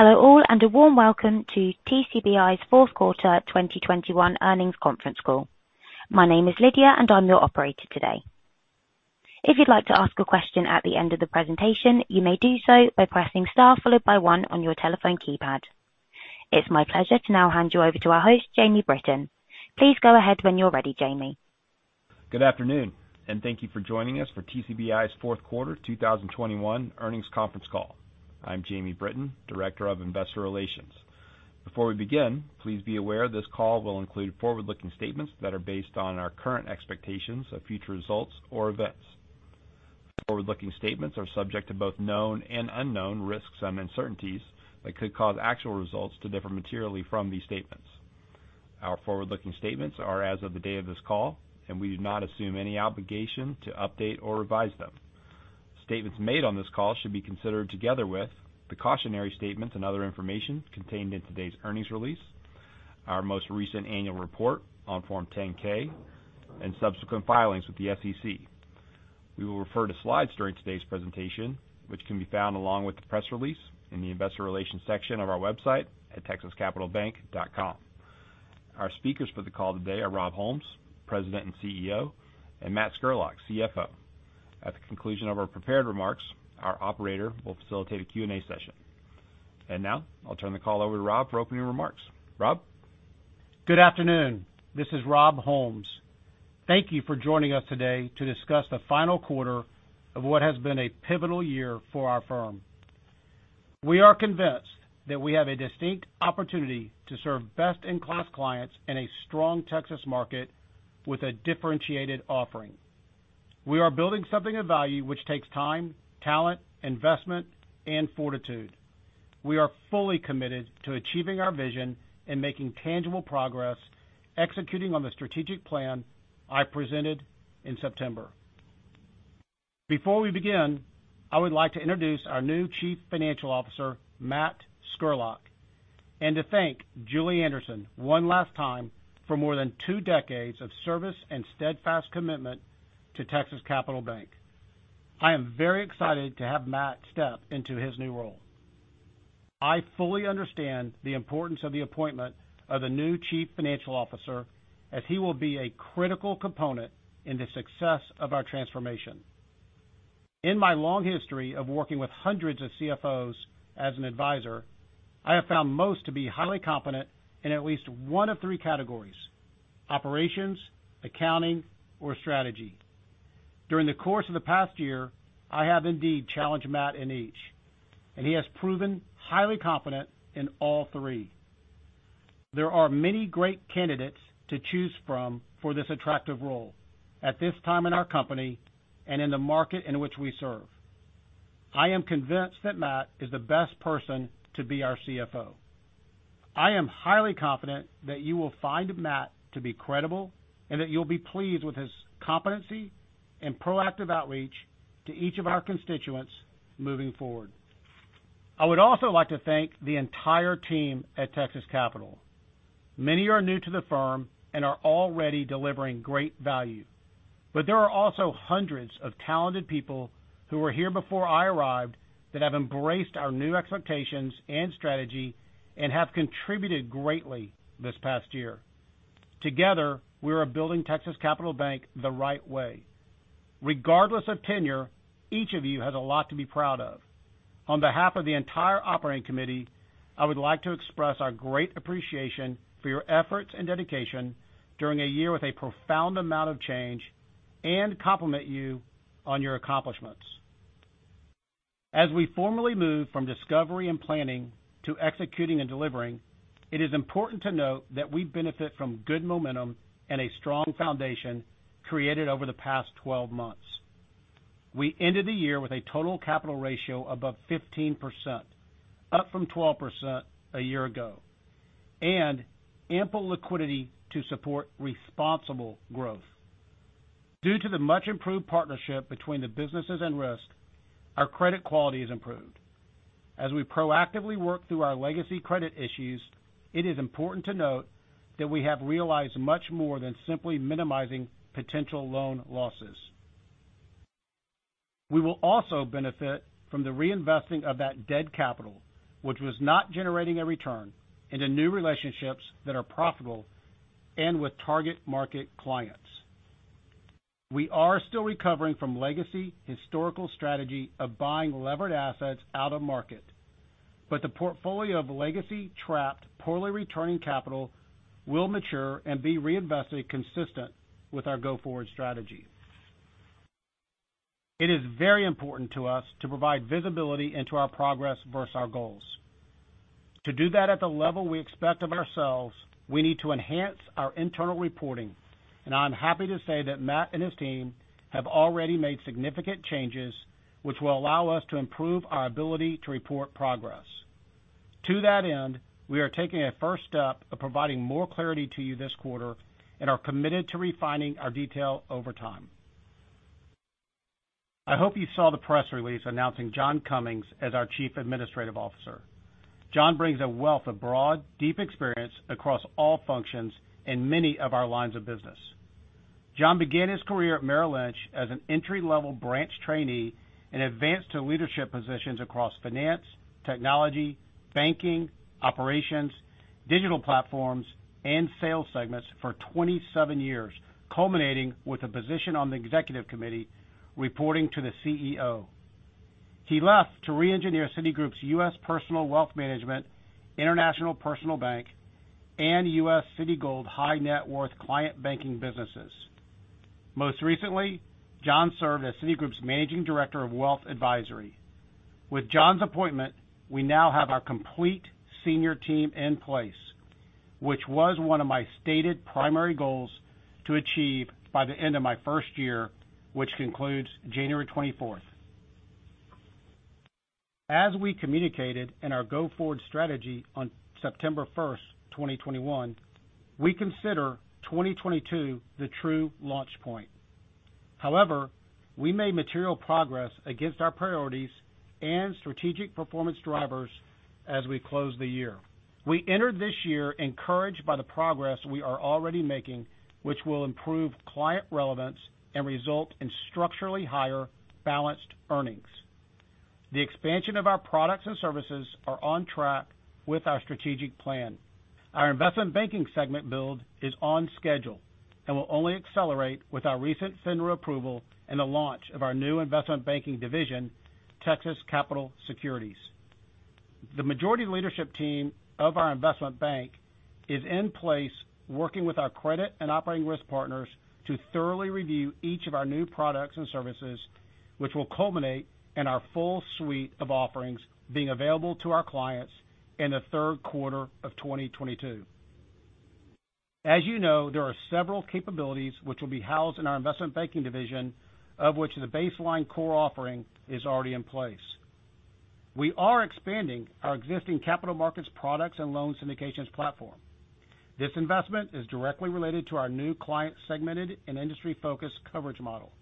Hello all, and a warm welcome to TCBI's fourth quarter 2021 earnings conference call. My name is Lydia and I'm your operator today. If you'd like to ask a question at the end of the presentation, you may do so by pressing star followed by one on your telephone keypad. It's my pleasure to now hand you over to our host, Jamie Britton. Please go ahead when you're ready, Jamie. Good afternoon, and thank you for joining us for TCBI's fourth quarter 2021 earnings conference call. I'm Jamie Britton, Director of Investor Relations. Before we begin, please be aware this call will include forward-looking statements that are based on our current expectations of future results or events. Forward-looking statements are subject to both known and unknown risks and uncertainties that could cause actual results to differ materially from these statements. Our forward-looking statements are as of the day of this call, and we do not assume any obligation to update or revise them. Statements made on this call should be considered together with the cautionary statements and other information contained in today's earnings release, our most recent annual report on Form 10-K, and subsequent filings with the SEC. We will refer to slides during today's presentation, which can be found along with the press release in the investor relations section of our website at texascapitalbank.com. Our speakers for the call today are Rob Holmes, President and CEO, and Matt Scurlock, CFO. At the conclusion of our prepared remarks, our operator will facilitate a Q&A session. Now I'll turn the call over to Rob for opening remarks. Rob? Good afternoon. This is Rob Holmes. Thank you for joining us today to discuss the final quarter of what has been a pivotal year for our firm. We are convinced that we have a distinct opportunity to serve best-in-class clients in a strong Texas market with a differentiated offering. We are building something of value which takes time, talent, investment, and fortitude. We are fully committed to achieving our vision and making tangible progress executing on the strategic plan I presented in September. Before we begin, I would like to introduce our new Chief Financial Officer, Matt Scurlock, and to thank Julie Anderson one last time for more than two decades of service and steadfast commitment to Texas Capital Bank. I am very excited to have Matt step into his new role. I fully understand the importance of the appointment of the new Chief Financial Officer, as he will be a critical component in the success of our transformation. In my long history of working with hundreds of CFOs as an advisor, I have found most to be highly competent in at least one of three categories: operations, accounting, or strategy. During the course of the past year, I have indeed challenged Matt in each, and he has proven highly competent in all three. There are many great candidates to choose from for this attractive role at this time in our company and in the market in which we serve. I am convinced that Matt is the best person to be our CFO. I am highly confident that you will find Matt to be credible and that you'll be pleased with his competency and proactive outreach to each of our constituents moving forward. I would also like to thank the entire team at Texas Capital. Many are new to the firm and are already delivering great value, but there are also hundreds of talented people who were here before I arrived that have embraced our new expectations and strategy and have contributed greatly this past year. Together, we are building Texas Capital Bank the right way. Regardless of tenure, each of you has a lot to be proud of. On behalf of the entire operating committee, I would like to express our great appreciation for your efforts and dedication during a year with a profound amount of change and compliment you on your accomplishments. As we formally move from discovery and planning to executing and delivering, it is important to note that we benefit from good momentum and a strong foundation created over the past 12 months. We ended the year with a total capital ratio above 15%, up from 12% a year ago, and ample liquidity to support responsible growth. Due to the much improved partnership between the businesses and risk, our credit quality has improved. As we proactively work through our legacy credit issues, it is important to note that we have realized much more than simply minimizing potential loan losses. We will also benefit from the reinvesting of that dead capital, which was not generating a return into new relationships that are profitable and with target market clients. We are still recovering from legacy historical strategy of buying levered assets out of market, but the portfolio of legacy-trapped, poorly returning capital will mature and be reinvested consistent with our go-forward strategy. It is very important to us to provide visibility into our progress versus our goals. To do that at the level we expect of ourselves, we need to enhance our internal reporting, and I'm happy to say that Matt and his team have already made significant changes, which will allow us to improve our ability to report progress. To that end, we are taking a first step of providing more clarity to you this quarter and are committed to refining our detail over time. I hope you saw the press release announcing John Cummings as our Chief Administrative Officer. John brings a wealth of broad, deep experience across all functions in many of our lines of business. John began his career at Merrill Lynch as an entry-level branch trainee and advanced to leadership positions across finance, technology, banking, operations, digital platforms, and sales segments for 27 years, culminating with a position on the executive committee reporting to the CEO. He left to re-engineer Citigroup's US Personal Wealth Management, International Personal Bank, and US Citigold High Net Worth Client Banking businesses. Most recently, John served as Citigroup's Managing Director of Wealth Advisory. With John's appointment, we now have our complete senior team in place, which was one of my stated primary goals to achieve by the end of my first year, which concludes January 24th. As we communicated in our go-forward strategy on September 1st, 2021, we consider 2022 the true launch point. However, we made material progress against our priorities and strategic performance drivers as we closed the year. We entered this year encouraged by the progress we are already making, which will improve client relevance and result in structurally higher balanced earnings. The expansion of our products and services are on track with our strategic plan. Our investment banking segment build is on schedule and will only accelerate with our recent FINRA approval and the launch of our new investment banking division, Texas Capital Securities. The majority leadership team of our investment bank is in place, working with our credit and operating risk partners to thoroughly review each of our new products and services, which will culminate in our full suite of offerings being available to our clients in the third quarter of 2022. As you know, there are several capabilities which will be housed in our investment banking division, of which the baseline core offering is already in place. We are expanding our existing capital markets products and loan syndications platform. This investment is directly related to our new client segmented and industry-focused coverage model.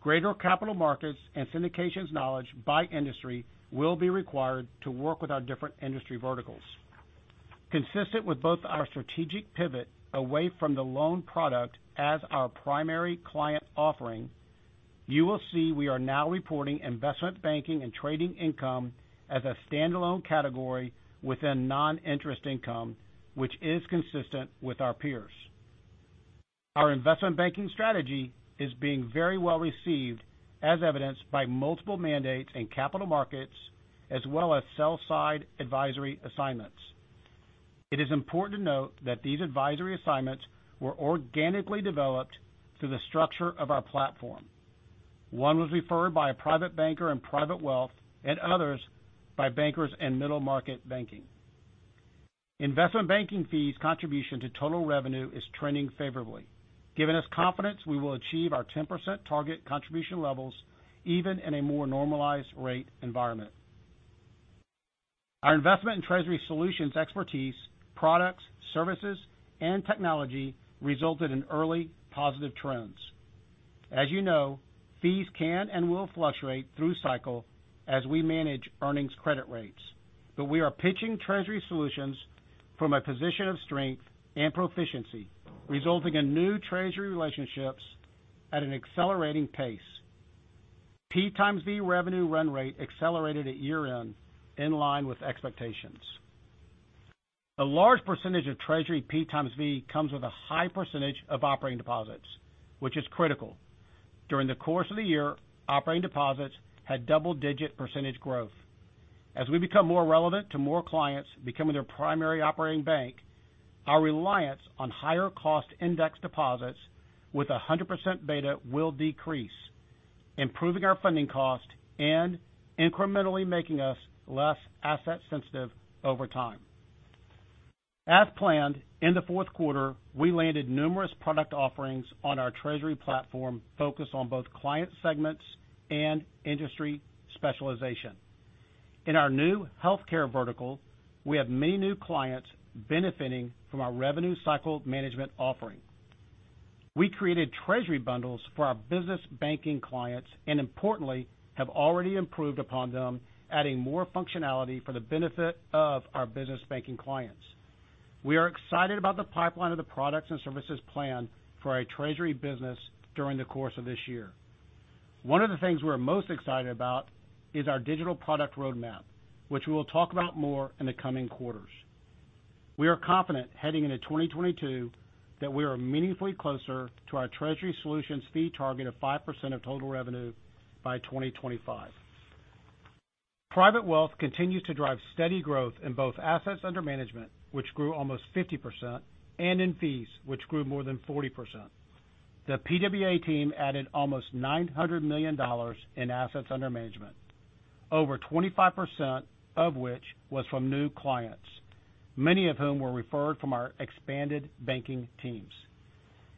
Greater capital markets and syndications knowledge by industry will be required to work with our different industry verticals. Consistent with both our strategic pivot away from the loan product as our primary client offering, you will see we are now reporting investment banking and trading income as a standalone category within non-interest income, which is consistent with our peers. Our investment banking strategy is being very well received, as evidenced by multiple mandates in capital markets as well as sell-side advisory assignments. It is important to note that these advisory assignments were organically developed through the structure of our platform. One was referred by a private banker in private wealth and others by bankers in middle-market banking. Investment banking fees contribution to total revenue is trending favorably, giving us confidence we will achieve our 10% target contribution levels even in a more normalized rate environment. Our investment and treasury solutions expertise, products, services, and technology resulted in early positive trends. As you know, fees can and will fluctuate through cycle as we manage earnings credit rates. We are pitching treasury solutions from a position of strength and proficiency, resulting in new treasury relationships at an accelerating pace. P times V revenue run rate accelerated at year-end, in line with expectations. A large percentage of treasury P times V comes with a high percentage of operating deposits, which is critical. During the course of the year, operating deposits had double-digit percentage growth. As we become more relevant to more clients becoming their primary operating bank, our reliance on higher cost index deposits with 100% beta will decrease, improving our funding cost and incrementally making us less asset sensitive over time. As planned, in the fourth quarter, we landed numerous product offerings on our Treasury platform focused on both client segments and industry specialization. In our new healthcare vertical, we have many new clients benefiting from our revenue cycle management offering. We created Treasury bundles for our business banking clients and importantly, have already improved upon them, adding more functionality for the benefit of our business banking clients. We are excited about the pipeline of the products and services planned for our Treasury business during the course of this year. One of the things we're most excited about is our digital product roadmap, which we will talk about more in the coming quarters. We are confident heading into 2022 that we are meaningfully closer to our Treasury Solutions fee target of 5% of total revenue by 2025. Private Wealth continues to drive steady growth in both assets under management, which grew almost 50%, and in fees, which grew more than 40%. The PWA team added almost $900 million in assets under management, over 25% of which was from new clients, many of whom were referred from our expanded banking teams.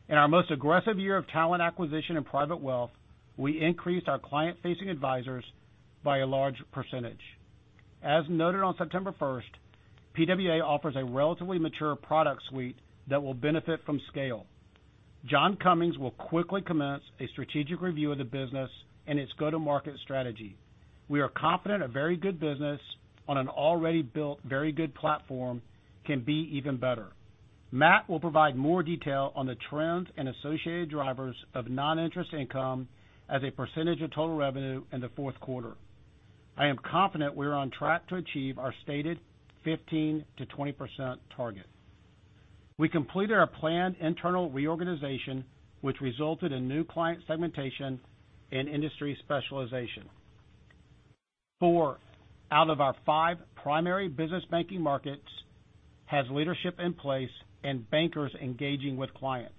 In our most aggressive year of talent acquisition and Private Wealth, we increased our client-facing advisors by a large percentage. As noted on September first, PWA offers a relatively mature product suite that will benefit from scale. John Cummings will quickly commence a strategic review of the business and its go-to-market strategy. We are confident a very good business on an already built very good platform can be even better. Matt will provide more detail on the trends and associated drivers of non-interest income as a percentage of total revenue in the fourth quarter. I am confident we are on track to achieve our stated 15%-20% target. We completed our planned internal reorganization, which resulted in new client segmentation and industry specialization. Four out of our five primary business banking markets has leadership in place and bankers engaging with clients.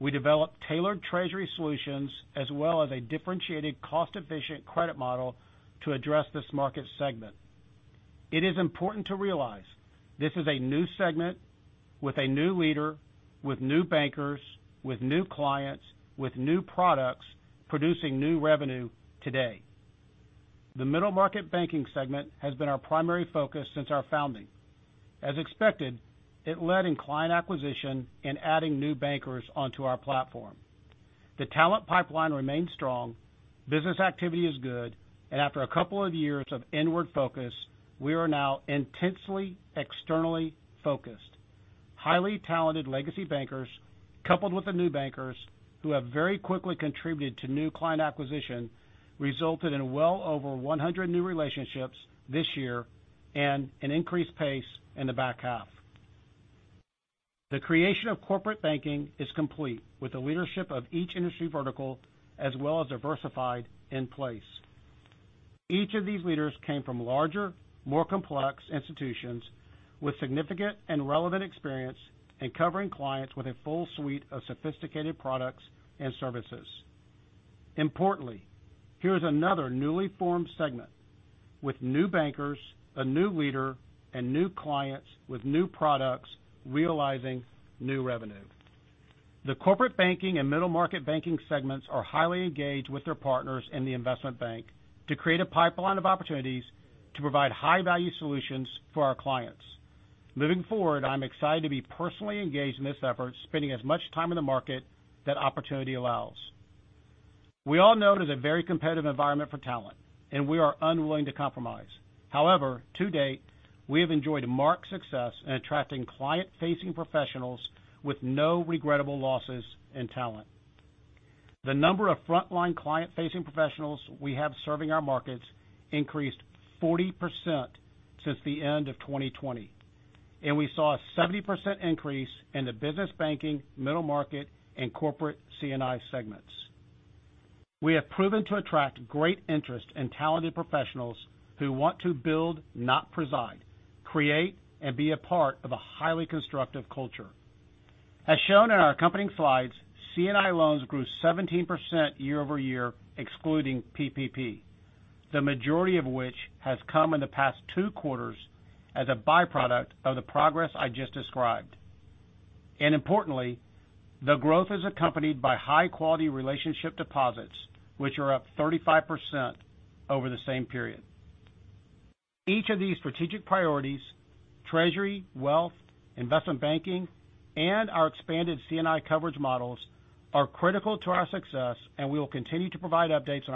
We developed tailored Treasury Solutions as well as a differentiated cost-efficient credit model to address this market segment. It is important to realize this is a new segment with a new leader, with new bankers, with new clients, with new products, producing new revenue today. The middle market banking segment has been our primary focus since our founding. As expected, it led in client acquisition and adding new bankers onto our platform. After a couple of years of inward focus, we are now intensely externally focused. Highly talented legacy bankers, coupled with the new bankers who have very quickly contributed to new client acquisition, resulted in well over 100 new relationships this year and an increased pace in the back half. The creation of Corporate Banking is complete with the leadership of each industry vertical as well as diversified in place. Each of these leaders came from larger, more complex institutions with significant and relevant experience in covering clients with a full suite of sophisticated products and services. Importantly, here's another newly formed segment with new bankers, a new leader, and new clients with new products realizing new revenue. The corporate banking and middle market banking segments are highly engaged with their partners in the investment bank to create a pipeline of opportunities to provide high-value solutions for our clients. Moving forward, I'm excited to be personally engaged in this effort, spending as much time in the market that opportunity allows. We all know it is a very competitive environment for talent. We are unwilling to compromise. However, to date, we have enjoyed marked success in attracting client-facing professionals with no regrettable losses in talent. The number of frontline client-facing professionals we have serving our markets increased 40% since the end of 2020, and we saw a 70% increase in the business banking, middle market, and corporate C&I segments. We have proven to attract great interest in talented professionals who want to build, not preside, create, and be a part of a highly constructive culture. As shown in our accompanying slides, C&I loans grew 17% year-over-year, excluding PPP, the majority of which has come in the past two quarters as a byproduct of the progress I just described. Importantly, the growth is accompanied by high-quality relationship deposits, which are up 35% over the same period. Each of these strategic priorities, treasury, wealth, investment banking, and our expanded C&I coverage models, are critical to our success, and we will continue to provide updates on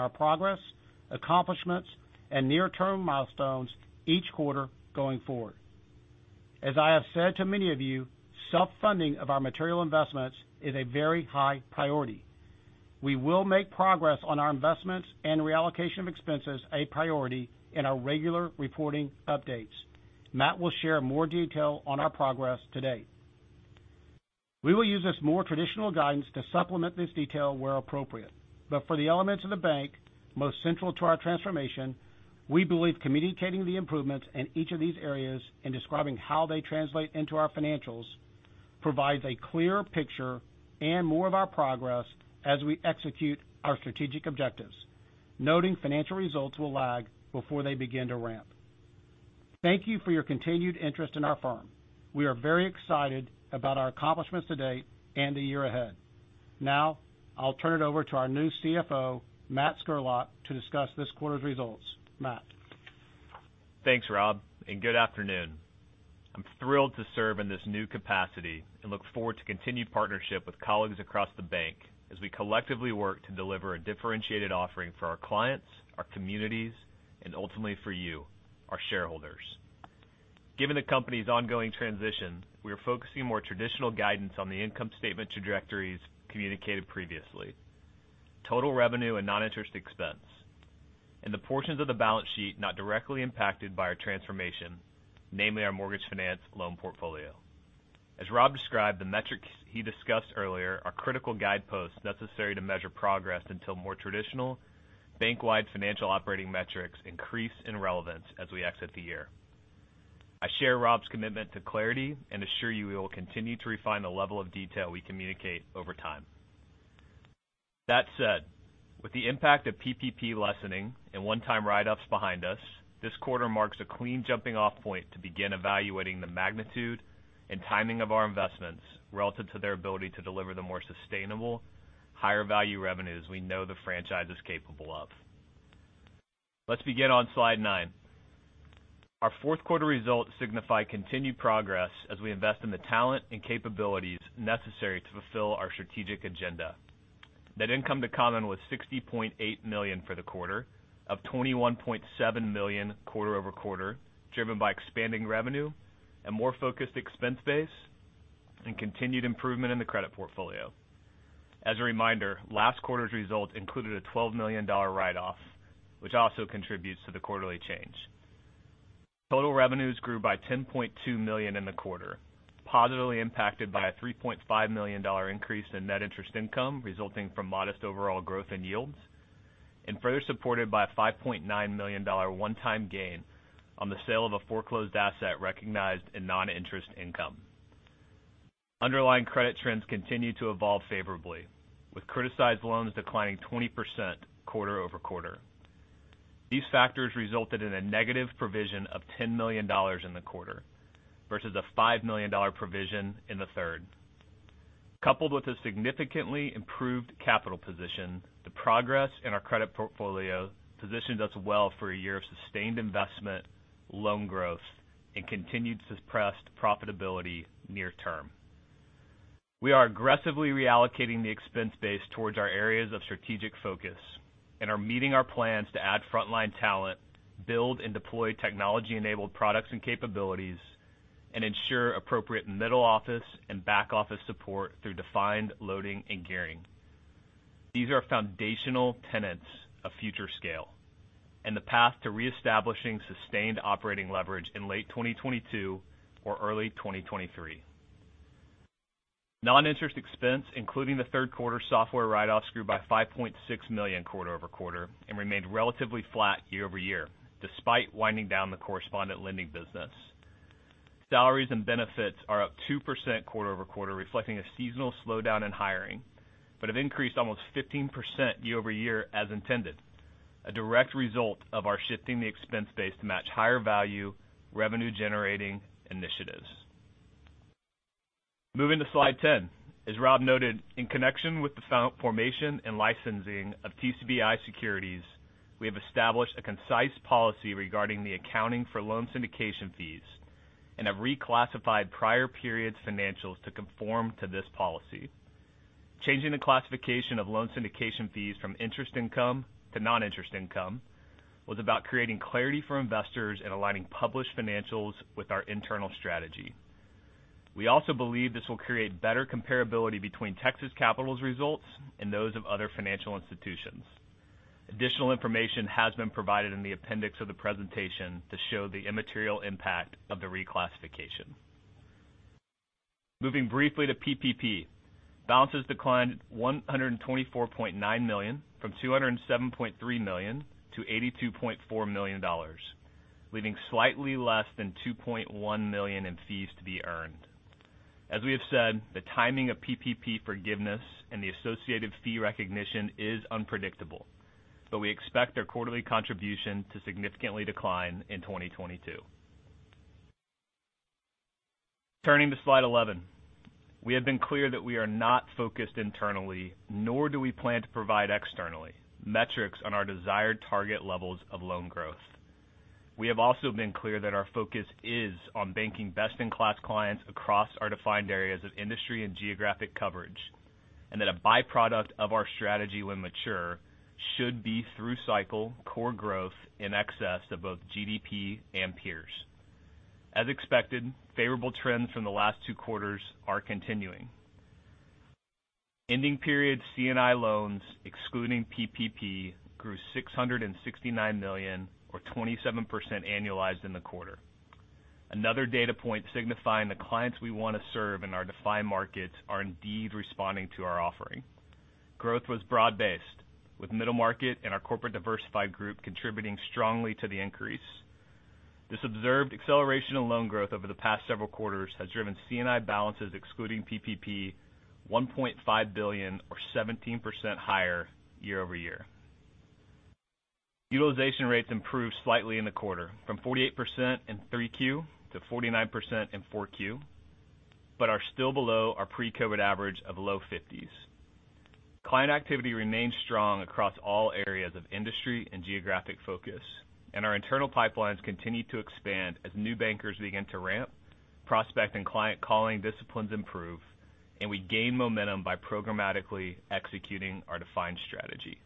our progress, accomplishments, and near-term milestones each quarter going forward. As I have said to many of you, self-funding of our material investments is a very high priority. We will make progress on our investments and reallocation of expenses a priority in our regular reporting updates. Matt will share more detail on our progress to date. We will use this more traditional guidance to supplement this detail where appropriate. For the elements of the bank most central to our transformation, we believe communicating the improvements in each of these areas and describing how they translate into our financials provides a clearer picture and more of our progress as we execute our strategic objectives. Noting financial results will lag before they begin to ramp. Thank you for your continued interest in our firm. We are very excited about our accomplishments to date and the year ahead. Now, I'll turn it over to our new CFO, Matt Scurlock, to discuss this quarter's results. Matt? Thanks, Rob, and good afternoon. I'm thrilled to serve in this new capacity and look forward to continued partnership with colleagues across the bank as we collectively work to deliver a differentiated offering for our clients, our communities, and ultimately for you, our shareholders. Given the company's ongoing transition, we are focusing more traditional guidance on the income statement trajectories communicated previously, total revenue and non-interest expense in the portions of the balance sheet not directly impacted by our transformation, namely our mortgage finance loan portfolio. As Rob described, the metrics he discussed earlier are critical guideposts necessary to measure progress until more traditional bank-wide financial operating metrics increase in relevance as we exit the year. I share Rob's commitment to clarity and assure you we will continue to refine the level of detail we communicate over time. That said, with the impact of PPP lessening and one-time write-ups behind us, this quarter marks a clean jumping-off point to begin evaluating the magnitude and timing of our investments relative to their ability to deliver the more sustainable, higher value revenues we know the franchise is capable of. Let's begin on slide nine. Our fourth quarter results signify continued progress as we invest in the talent and capabilities necessary to fulfill our strategic agenda. Net income to common was $60.8 million for the quarter of $21.7 million quarter-over-quarter, driven by expanding revenue and more focused expense base, and continued improvement in the credit portfolio. As a reminder, last quarter's result included a $12 million write-off, which also contributes to the quarterly change. Total revenues grew by $10.2 million in the quarter, positively impacted by a $3.5 million increase in net interest income resulting from modest overall growth in yields, and further supported by a $5.9 million one-time gain on the sale of a foreclosed asset recognized in non-interest income. Underlying credit trends continue to evolve favorably, with criticized loans declining 20% quarter-over-quarter. These factors resulted in a negative provision of $10 million in the quarter versus a $5 million provision in the third. Coupled with a significantly improved capital position, the progress in our credit portfolio positions us well for a year of sustained investment, loan growth, and continued suppressed profitability near term. We are aggressively reallocating the expense base towards our areas of strategic focus and are meeting our plans to add frontline talent, build and deploy technology-enabled products and capabilities, and ensure appropriate middle office and back office support through defined loading and gearing. These are foundational tenets of future scale and the path to reestablishing sustained operating leverage in late 2022 or early 2023. Non-interest expense, including the third quarter software write-offs, grew by $5.6 million quarter-over-quarter and remained relatively flat year-over-year, despite winding down the correspondent lending business. Salaries and benefits are up 2% quarter-over-quarter, reflecting a seasonal slowdown in hiring, but have increased almost 15% year-over-year as intended, a direct result of our shifting the expense base to match higher-value, revenue-generating initiatives. Moving to slide 10. As Rob noted, in connection with the formation and licensing of TCBI Securities, we have established a concise policy regarding the accounting for loan syndication fees and have reclassified prior periods financials to conform to this policy. Changing the classification of loan syndication fees from interest income to non-interest income was about creating clarity for investors and aligning published financials with our internal strategy. We also believe this will create better comparability between Texas Capital's results and those of other financial institutions. Additional information has been provided in the appendix of the presentation to show the immaterial impact of the reclassification. Moving briefly to PPP. Balances declined $124.9 million from $207.3 million to $82.4 million, leaving slightly less than $2.1 million in fees to be earned. As we have said, the timing of PPP forgiveness and the associated fee recognition is unpredictable, but we expect their quarterly contribution to significantly decline in 2022. Turning to slide 11. We have been clear that we are not focused internally, nor do we plan to provide externally metrics on our desired target levels of loan growth. We have also been clear that our focus is on banking best-in-class clients across our defined areas of industry and geographic coverage, and that a byproduct of our strategy when mature should be through cycle core growth in excess of both GDP and peers. As expected, favorable trends from the last two quarters are continuing. Ending period C&I loans, excluding PPP, grew $669 million or 27% annualized in the quarter. Another data point signifying the clients we want to serve in our defined markets are indeed responding to our offering. Growth was broad-based, with middle market and our corporate diversified group contributing strongly to the increase. This observed acceleration in loan growth over the past several quarters has driven C&I balances, excluding PPP, $1.5 billion or 17% higher year-over-year. Utilization rates improved slightly in the quarter from 48% in 3Q to 49% in 4Q, but are still below our pre-COVID average of low 50s. Client activity remains strong across all areas of industry and geographic focus, and our internal pipelines continue to expand as new bankers begin to ramp, prospect and client calling disciplines improve, and we gain momentum by programmatically executing our defined strategy.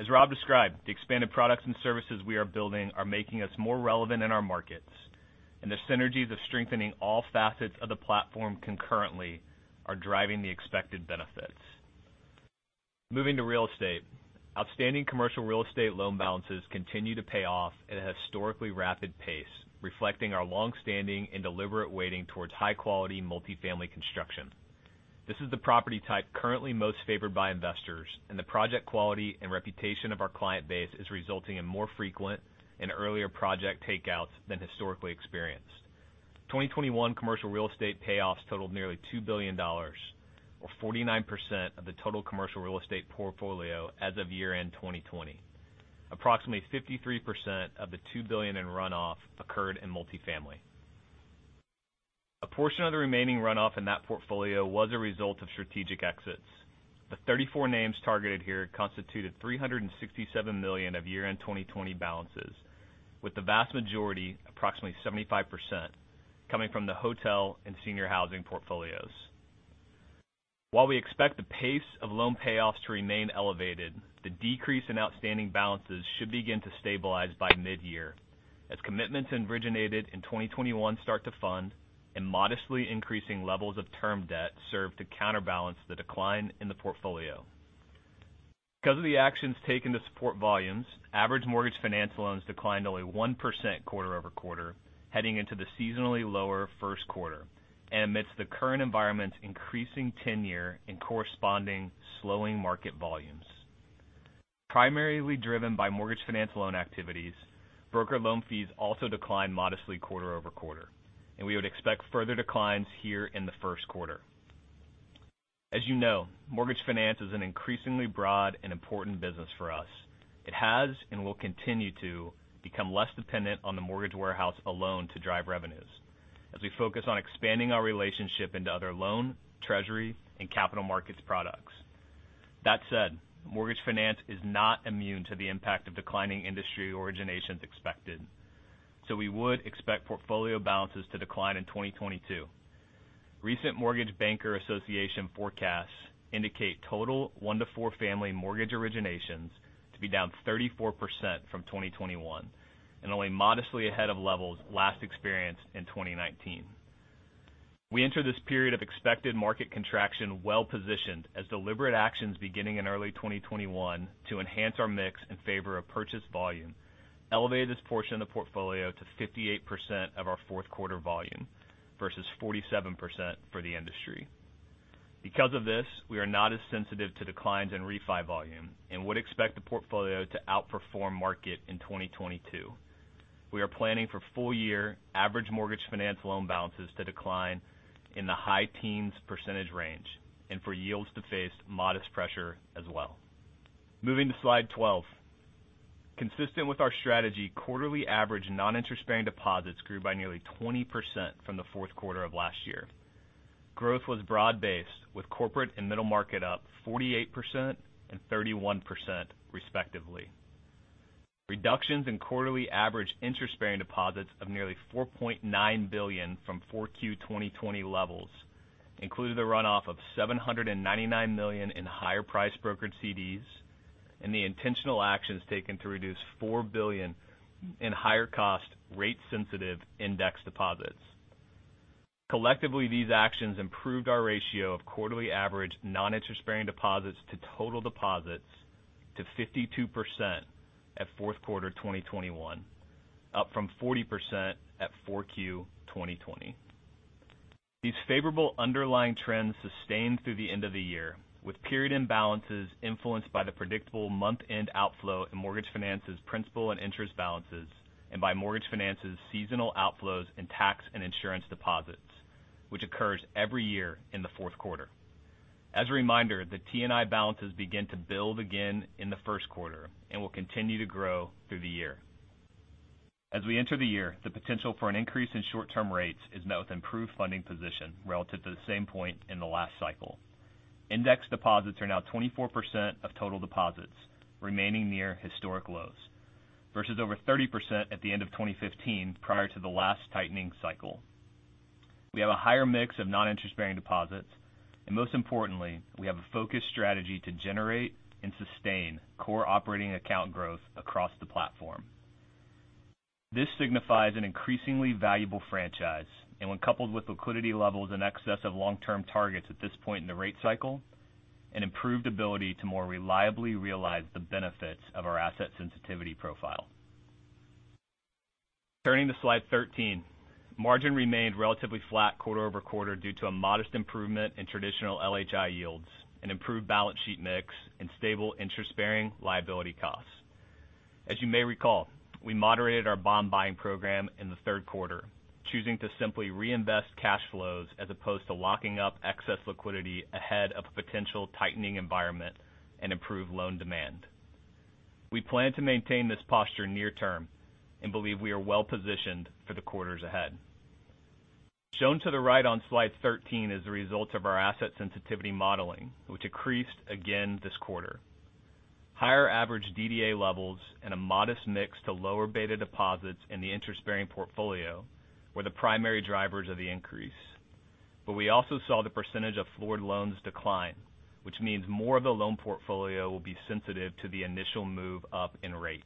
As Rob described, the expanded products and services we are building are making us more relevant in our markets, and the synergies of strengthening all facets of the platform concurrently are driving the expected benefits. Moving to real estate. Outstanding commercial real estate loan balances continue to pay off at a historically rapid pace, reflecting our longstanding and deliberate weighting towards high-quality multifamily construction. This is the property type currently most favored by investors, and the project quality and reputation of our client base is resulting in more frequent and earlier project takeouts than historically experienced. 2021 commercial real estate payoffs totaled nearly $2 billion or 49% of the total commercial real estate portfolio as of year-end 2020. Approximately 53% of the $2 billion in runoff occurred in multifamily. A portion of the remaining runoff in that portfolio was a result of strategic exits. The 34 names targeted here constituted $367 million of year-end 2020 balances, with the vast majority, approximately 75%, coming from the hotel and senior housing portfolios. While we expect the pace of loan payoffs to remain elevated, the decrease in outstanding balances should begin to stabilize by mid-year as commitments originated in 2021 start to fund, and modestly increasing levels of term debt serve to counterbalance the decline in the portfolio. Because of the actions taken to support volumes, average mortgage finance loans declined only 1% quarter-over-quarter, heading into the seasonally lower first quarter, and amidst the current environment's increasing tenure and corresponding slowing market volumes. Primarily driven by mortgage finance loan activities, broker loan fees also declined modestly quarter-over-quarter, and we would expect further declines here in the first quarter. As you know, mortgage finance is an increasingly broad and important business for us. It has and will continue to become less dependent on the mortgage warehouse alone to drive revenues as we focus on expanding our relationship into other loan, treasury, and capital markets products. That said, mortgage finance is not immune to the impact of declining industry originations expected. We would expect portfolio balances to decline in 2022. Recent Mortgage Bankers Association forecasts indicate total one to four family mortgage originations to be down 34% from 2021 and only modestly ahead of levels last experienced in 2019. We enter this period of expected market contraction well-positioned as deliberate actions beginning in early 2021 to enhance our mix in favor of purchase volume elevated this portion of the portfolio to 58% of our fourth quarter volume versus 47% for the industry. Of this, we are not as sensitive to declines in refi volume and would expect the portfolio to outperform market in 2022. We are planning for full year average mortgage finance loan balances to decline in the high teens percentage range and for yields to face modest pressure as well. Moving to slide 12. Consistent with our strategy, quarterly average non-interest-bearing deposits grew by nearly 20% from the fourth quarter of last year. Growth was broad-based, with corporate and middle market up 48% and 31% respectively. Reductions in quarterly average interest-bearing deposits of nearly $4.9 billion from 4Q 2020 levels included a runoff of $799 million in higher priced brokered CDs and the intentional actions taken to reduce $4 billion in higher cost rate-sensitive index deposits. Collectively, these actions improved our ratio of quarterly average non-interest-bearing deposits to total deposits to 52% at fourth quarter 2021, up from 40% at 4Q 2020. These favorable underlying trends sustained through the end of the year, with period imbalances influenced by the predictable month-end outflow in mortgage finance's principal and interest balances and by mortgage finance's seasonal outflows in tax and insurance deposits, which occurs every year in the fourth quarter. As a reminder, the T&I balances begin to build again in the first quarter and will continue to grow through the year. As we enter the year, the potential for an increase in short-term rates is met with improved funding position relative to the same point in the last cycle. Index deposits are now 24% of total deposits remaining near historic lows, versus over 30% at the end of 2015 prior to the last tightening cycle. Turning to slide 13, margin remained relatively flat quarter-over-quarter due to a modest improvement in traditional LHI yields and improved balance sheet mix and stable interest-bearing liability costs. As you may recall, we moderated our bond buying program in the third quarter, choosing to simply reinvest cash flows as opposed to locking up excess liquidity ahead of a potential tightening environment and improve loan demand. We plan to maintain this posture near term and believe we are well-positioned for the quarters ahead. Shown to the right on slide 13 is the results of our asset sensitivity modeling, which increased again this quarter. Higher average DDA levels and a modest mix to lower beta deposits in the interest-bearing portfolio were the primary drivers of the increase. We also saw the percentage of floored loans decline, which means more of the loan portfolio will be sensitive to the initial move up in rates.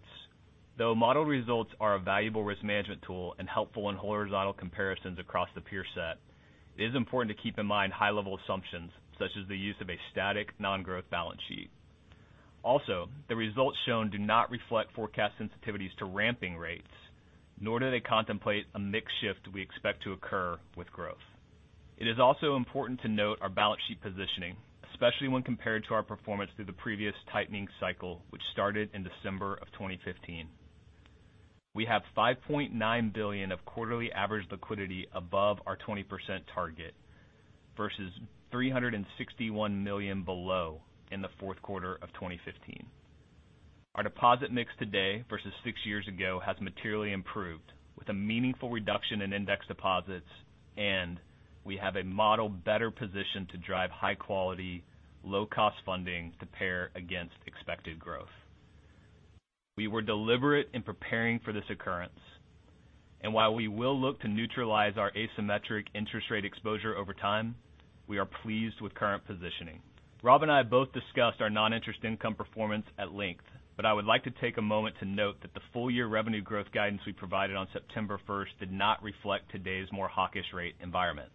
Though model results are a valuable risk management tool and helpful in horizontal comparisons across the peer set, it is important to keep in mind high-level assumptions, such as the use of a static non-growth balance sheet. The results shown do not reflect forecast sensitivities to ramping rates, nor do they contemplate a mix shift we expect to occur with growth. It is also important to note our balance sheet positioning, especially when compared to our performance through the previous tightening cycle, which started in December of 2015. We have $5.9 billion of quarterly average liquidity above our 20% target versus $361 million below in the fourth quarter of 2015. Our deposit mix today versus six years ago has materially improved with a meaningful reduction in index deposits. We have a model better positioned to drive high quality, low-cost funding to pair against expected growth. We were deliberate in preparing for this occurrence, while we will look to neutralize our asymmetric interest rate exposure over time, we are pleased with current positioning. Rob and I both discussed our non-interest income performance at length. I would like to take a moment to note that the full-year revenue growth guidance we provided on September 1st did not reflect today's more hawkish rate environment.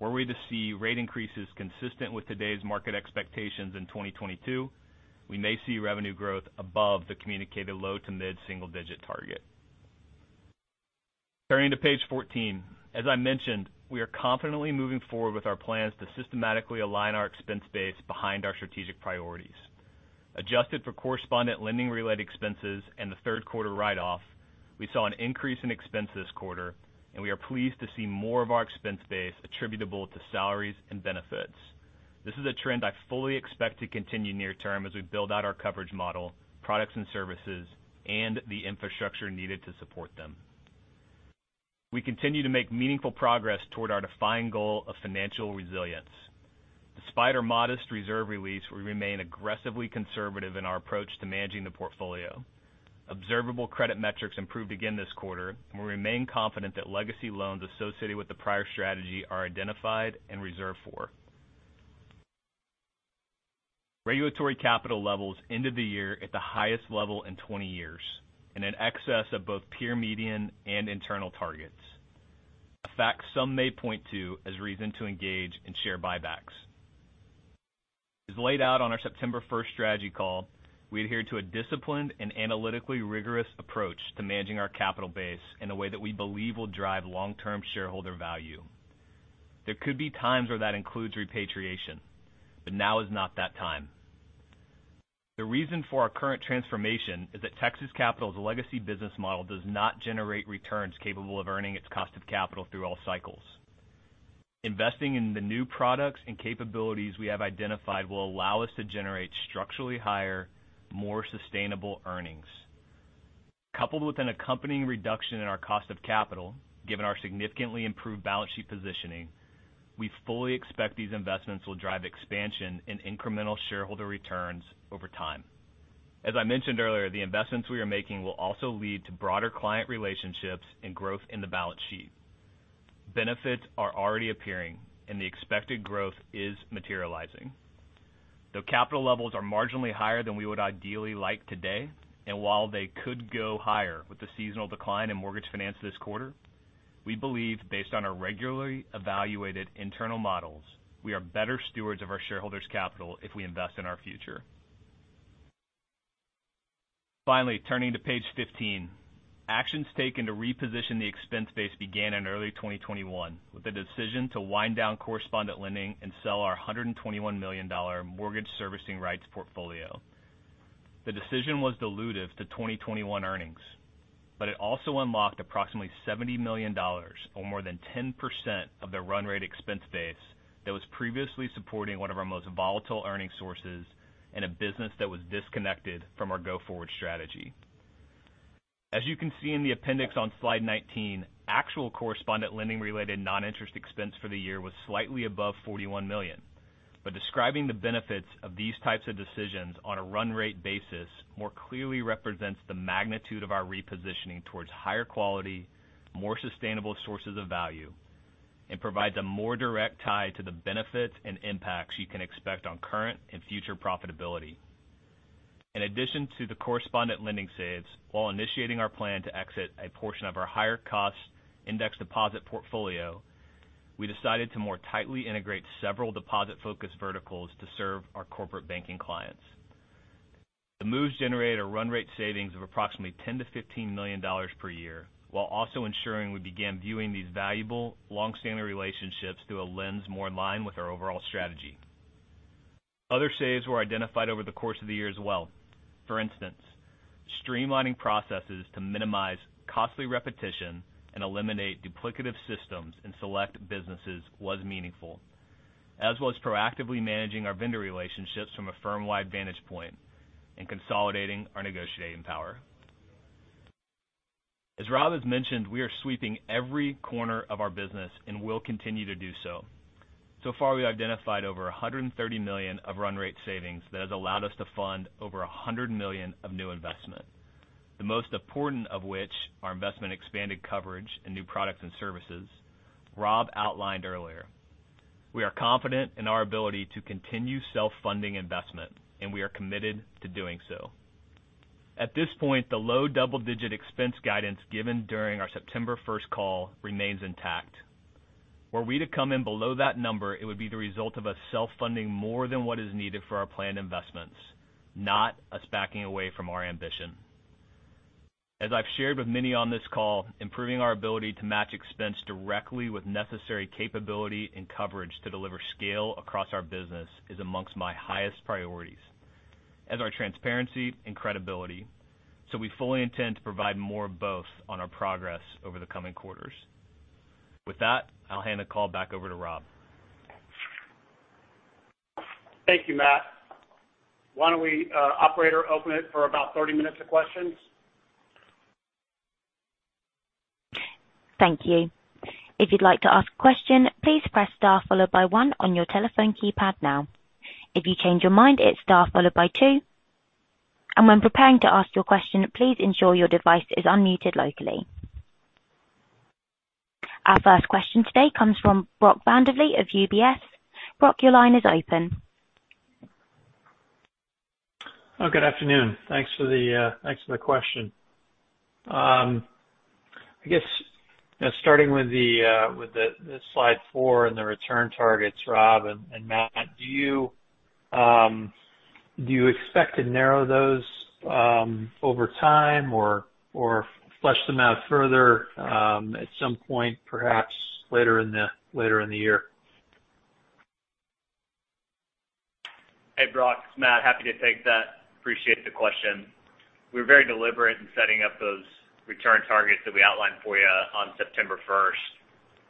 Were we to see rate increases consistent with today's market expectations in 2022, we may see revenue growth above the communicated low to mid-single digit target. Turning to page 14. As I mentioned, we are confidently moving forward with our plans to systematically align our expense base behind our strategic priorities. Adjusted for correspondent lending-related expenses and the third quarter write-off, we saw an increase in expense this quarter. We are pleased to see more of our expense base attributable to salaries and benefits. This is a trend I fully expect to continue near-term as we build out our coverage model, products and services, the infrastructure needed to support them. We continue to make meaningful progress toward our defined goal of financial resilience. Despite our modest reserve release, we remain aggressively conservative in our approach to managing the portfolio. Observable credit metrics improved again this quarter. We remain confident that legacy loans associated with the prior strategy are identified and reserved for. Regulatory capital levels ended the year at the highest level in 20 years, in an excess of both peer median and internal targets. A fact some may point to as reason to engage in share buybacks. As laid out on our September 1st strategy call, we adhere to a disciplined and analytically rigorous approach to managing our capital base in a way that we believe will drive long-term shareholder value. There could be times where that includes repatriation, but now is not that time. The reason for our current transformation is that Texas Capital's legacy business model does not generate returns capable of earning its cost of capital through all cycles. Investing in the new products and capabilities we have identified will allow us to generate structurally higher, more sustainable earnings. Coupled with an accompanying reduction in our cost of capital, given our significantly improved balance sheet positioning, we fully expect these investments will drive expansion in incremental shareholder returns over time. As I mentioned earlier, the investments we are making will also lead to broader client relationships and growth in the balance sheet. Benefits are already appearing and the expected growth is materializing. Though capital levels are marginally higher than we would ideally like today, while they could go higher with the seasonal decline in mortgage finance this quarter, we believe based on our regularly evaluated internal models, we are better stewards of our shareholders' capital if we invest in our future. Finally, turning to page 15. Actions taken to reposition the expense base began in early 2021 with a decision to wind down correspondent lending and sell our $121 million mortgage servicing rights portfolio. The decision was dilutive to 2021 earnings, it also unlocked approximately $70 million or more than 10% of the run rate expense base that was previously supporting one of our most volatile earning sources in a business that was disconnected from our go-forward strategy. As you can see in the appendix on slide 19, actual correspondent lending related non-interest expense for the year was slightly above $41 million. Describing the benefits of these types of decisions on a run rate basis more clearly represents the magnitude of our repositioning towards higher quality, more sustainable sources of value, and provides a more direct tie to the benefits and impacts you can expect on current and future profitability. In addition to the correspondent lending saves, while initiating our plan to exit a portion of our higher cost index deposit portfolio, we decided to more tightly integrate several deposit-focused verticals to serve our corporate banking clients. The moves generated a run rate savings of approximately $10 million-$15 million per year, while also ensuring we began viewing these valuable, long-standing relationships through a lens more in line with our overall strategy. Other saves were identified over the course of the year as well. For instance, streamlining processes to minimize costly repetition and eliminate duplicative systems in select businesses was meaningful, as was proactively managing our vendor relationships from a firm-wide vantage point and consolidating our negotiating power. As Rob has mentioned, we are sweeping every corner of our business and will continue to do so. We identified over $130 million of run rate savings that has allowed us to fund over $100 million of new investment. The most important of which are investment expanded coverage and new products and services Rob outlined earlier. We are confident in our ability to continue self-funding investment, and we are committed to doing so. At this point, the low double-digit expense guidance given during our September 1st call remains intact. Were we to come in below that number, it would be the result of us self-funding more than what is needed for our planned investments, not us backing away from our ambition. As I've shared with many on this call, improving our ability to match expense directly with necessary capability and coverage to deliver scale across our business is amongst my highest priorities, as are transparency and credibility. We fully intend to provide more of both on our progress over the coming quarters. With that, I'll hand the call back over to Rob. Thank you, Matt. Why don't we, operator, open it for about 30 minutes of questions? Thank you. If you'd like to ask a question, please press star followed by one on your telephone keypad now. If you change your mind, it's star followed by two. When preparing to ask your question, please ensure your device is unmuted locally. Our first question today comes from Brock Vandagriff of UBS. Brock, your line is open. Oh, good afternoon. Thanks for the question. I guess, starting with the slide four and the return targets, Rob and Matt, do you expect to narrow those over time or flesh them out further at some point, perhaps later in the year? Hey, Brock, it's Matt. Happy to take that. Appreciate the question. We're very deliberate in setting up those return targets that we outlined for you on September 1st.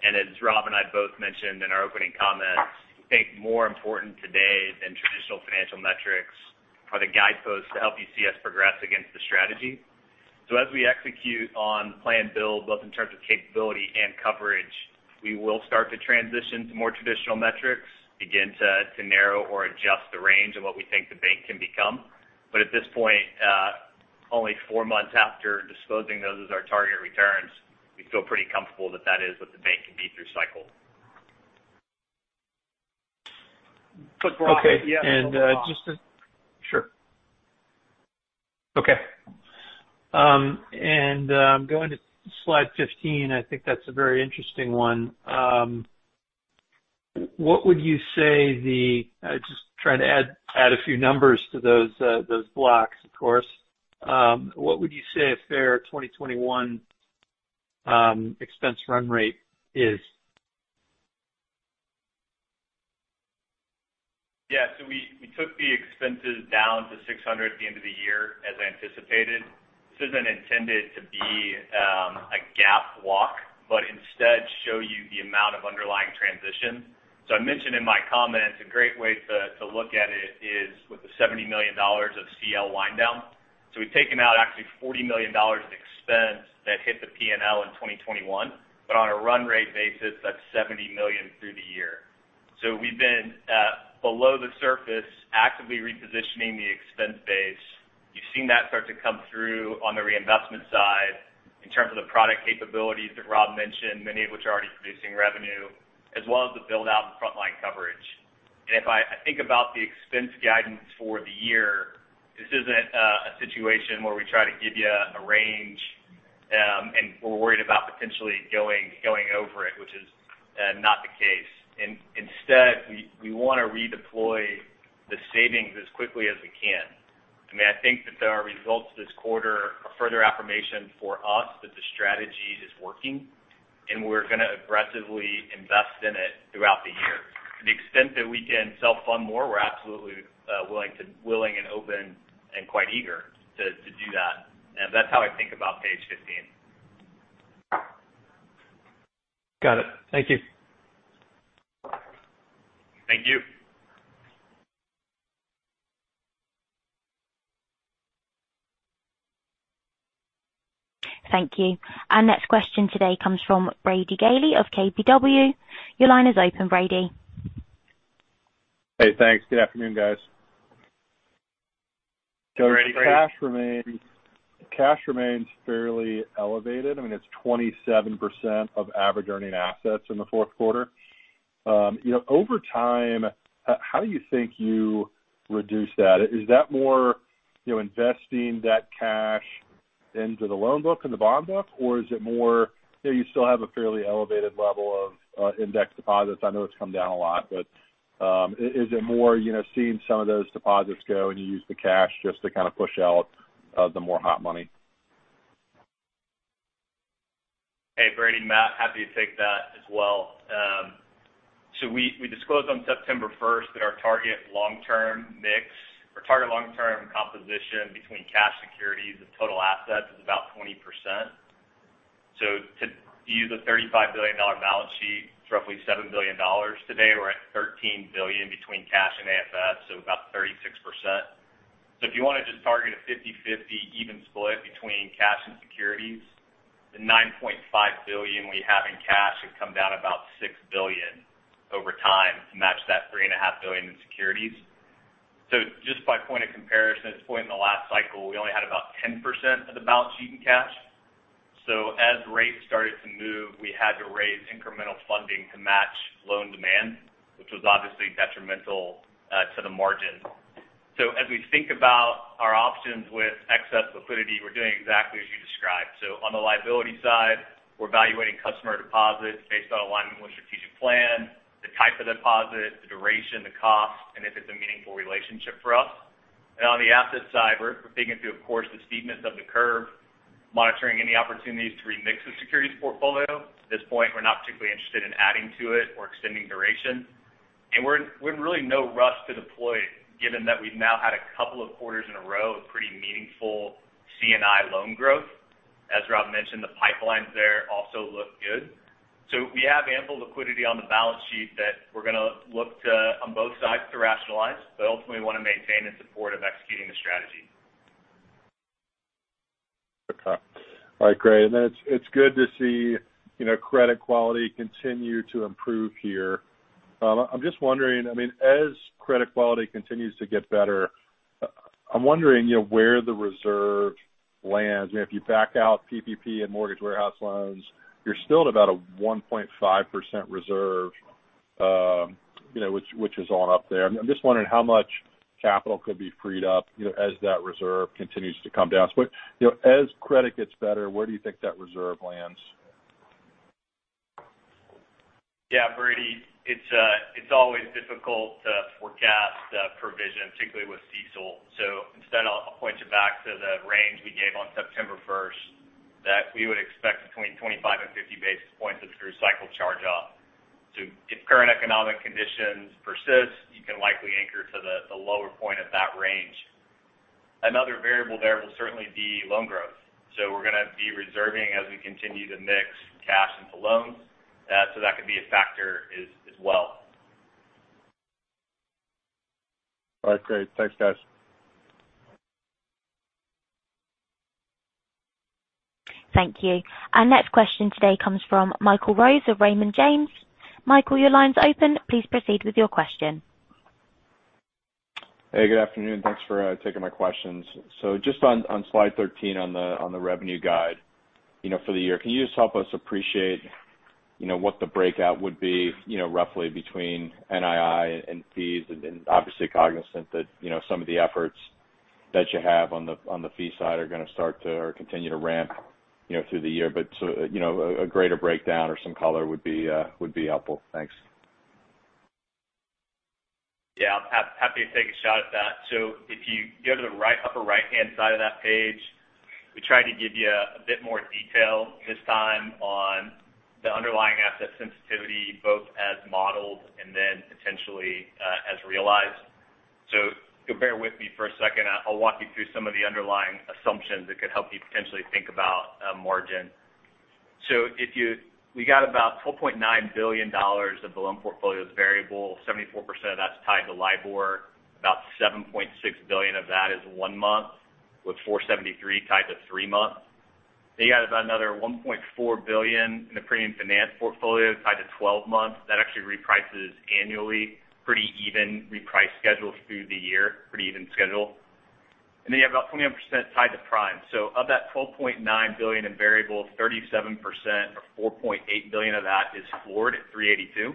As Rob and I both mentioned in our opening comments, I think more important today than traditional financial metrics are the guideposts to help you see us progress against the strategy. As we execute on the plan build, both in terms of capability and coverage, we will start to transition to more traditional metrics, begin to narrow or adjust the range of what we think the bank can become. At this point, only 4 months after disclosing those as our target returns, we feel pretty comfortable that that is what the bank can be through cycle. Brock- Okay. Yes. Sure. Okay. Going to slide 15, I think that's a very interesting one. Just trying to add a few numbers to those blocks, of course. What would you say a fair 2021 expense run rate is? Yeah. We took the expenses down to $600 at the end of the year, as I anticipated. This isn't intended to be a GAAP walk, instead show you the amount of underlying transition. I mentioned in my comments, a great way to look at it is with the $70 million of CL wind down. We've taken out actually $40 million in expense that hit the P&L in 2021. On a run rate basis, that's $70 million through the year. We've been below the surface, actively repositioning the expense base. You've seen that start to come through on the reinvestment side in terms of the product capabilities that Rob mentioned, many of which are already producing revenue, as well as the build-out and frontline coverage. If I think about the expense guidance for the year, this isn't a situation where we try to give you a range, and we're worried about potentially going over it, which is not the case. Instead, we want to redeploy the savings as quickly as we can. I think that there are results this quarter, a further affirmation for us that the strategy is working, and we're going to aggressively invest in it throughout the year. To the extent that we can self-fund more, we're absolutely willing and open and quite eager to do that. That's how I think about page 15. Got it. Thank you. Thank you. Thank you. Our next question today comes from Brady Gailey of KBW. Your line is open, Brady. Hey, thanks. Good afternoon, guys. Hey, Brady. Cash remains fairly elevated. I mean, it's 27% of average earning assets in the fourth quarter. Over time, how do you think you reduce that? Is that more investing that cash into the loan book and the bond book, or is it more, you still have a fairly elevated level of index deposits. I know it's come down a lot, is it more seeing some of those deposits go and you use the cash just to kind of push out the more hot money? Hey, Brady, Matt. Happy to take that as well. We disclosed on September 1st that our target long-term mix, our target long-term composition between cash securities and total assets is about 20%. To use a $35 billion balance sheet, it's roughly $7 billion. Today, we're at $13 billion between cash and AFS, about 36%. If you wanted to target a 50-50 even split between cash and securities, the $9.5 billion we have in cash would come down about $6 billion over time to match that $3.5 billion in securities. Just by point of comparison, at this point in the last cycle, we only had about 10% of the balance sheet in cash. As rates started to move, we had to raise incremental funding to match loan demand, which was obviously detrimental to the margin. As we think about our options with excess liquidity, we're doing exactly as you described. On the liability side, we're evaluating customer deposits based on alignment with strategic plan, the type of deposit, the duration, the cost, and if it's a meaningful relationship for us. On the asset side, we're thinking through, of course, the steepness of the curve, monitoring any opportunities to remix the securities portfolio. At this point, we're not particularly interested in adding to it or extending duration. We're in really no rush to deploy, given that we've now had a couple of quarters in a row of pretty meaningful C&I loan growth. As Rob mentioned, the pipelines there also look good. We have ample liquidity on the balance sheet that we're going to look to on both sides to rationalize, but ultimately want to maintain in support of executing the strategy. Okay. All right, great. It's good to see credit quality continue to improve here. I'm just wondering, as credit quality continues to get better, I'm wondering where the reserve lands. If you back out PPP and mortgage warehouse loans, you're still at about a 1.5% reserve, which is on up there. I'm just wondering how much capital could be freed up as that reserve continues to come down. As credit gets better, where do you think that reserve lands? Brady, it's always difficult to forecast provision, particularly with CECL. Instead, I'll point you back to the range we gave on September 1st that we would expect between 25 and 50 basis points as through cycle charge-off. If current economic conditions persist, you can likely anchor to the lower point of that range. Another variable there will certainly be loan growth. We're going to be reserving as we continue to mix cash into loans. That could be a factor as well. All right, great. Thanks, guys. Thank you. Our next question today comes from Michael Rose of Raymond James. Michael, your line's open. Please proceed with your question. Hey, good afternoon. Thanks for taking my questions. Just on slide 13 on the revenue guide for the year, can you just help us appreciate what the breakout would be roughly between NII and fees? Obviously cognizant that some of the efforts that you have on the fee side are going to start to or continue to ramp through the year. A greater breakdown or some color would be helpful. Thanks. Yeah. Happy to take a shot at that. If you go to the upper right-hand side of that page, we try to give you a bit more detail this time on the underlying asset sensitivity, both as modeled and potentially as realized. If you'll bear with me for a second, I'll walk you through some of the underlying assumptions that could help you potentially think about margin. We got about $12.9 billion of the loan portfolio is variable, 74% of that's tied to LIBOR. About $7.6 billion of that is one-month, with $473 tied to three-month. Then you got about another $1.4 billion in the premium finance portfolio tied to 12 months. That actually reprices annually, pretty even reprice schedules through the year, pretty even schedule. Then you have about 21% tied to prime. Of that $12.9 billion in variable, 37% or $4.8 billion of that is floored at 382.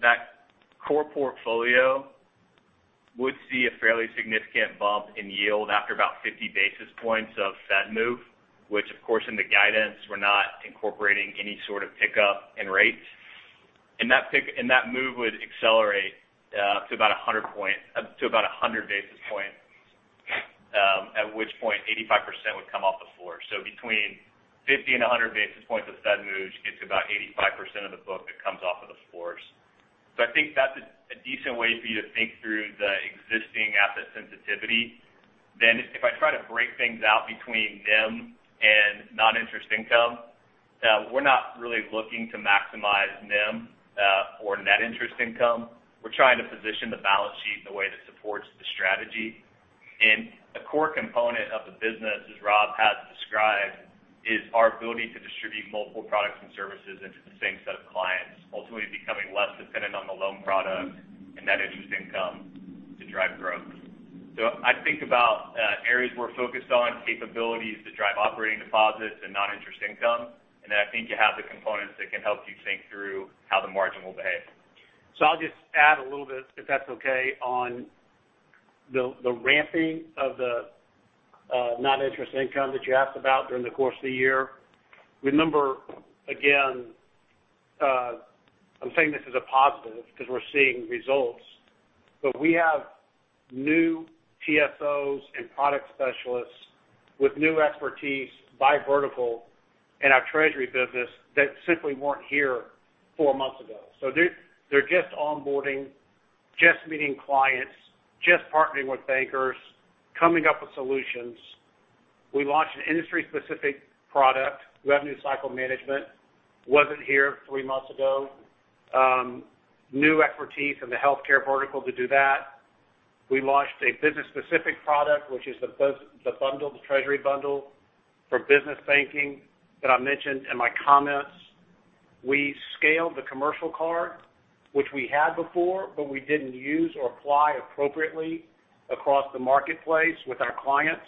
That core portfolio would see a fairly significant bump in yield after about 50 basis points of Fed move, which of course in the guidance we're not incorporating any sort of pickup in rates. That move would accelerate to about 100 basis points, at which point 85% would come off the floor. Between 50 and 100 basis points of Fed move gets about 85% of the book that comes off of the floors. I think that's a decent way for you to think through the existing asset sensitivity. If I try to break things out between NIM and non-interest income, we're not really looking to maximize NIM for net interest income. We're trying to position the balance sheet in a way that supports the strategy. A core component of the business, as Rob has described, is our ability to distribute multiple products and services into the same set of clients, ultimately becoming less dependent on the loan product and net interest income to drive growth. I'd think about areas we're focused on, capabilities to drive operating deposits and non-interest income. Then I think you have the components that can help you think through how the margin will behave. I'll just add a little bit, if that's okay, on the ramping of the non-interest income that you asked about during the course of the year. Remember, again, I'm saying this as a positive because we're seeing results, but we have new TSOs and product specialists with new expertise by vertical in our treasury business that simply weren't here four months ago. They're just onboarding, just meeting clients, just partnering with bankers, coming up with solutions. We launched an industry-specific product, revenue cycle management. Wasn't here three months ago. New expertise in the healthcare vertical to do that. We launched a business-specific product, which is the treasury bundle for business banking that I mentioned in my comments. We scaled the commercial card, which we had before, but we didn't use or apply appropriately across the marketplace with our clients.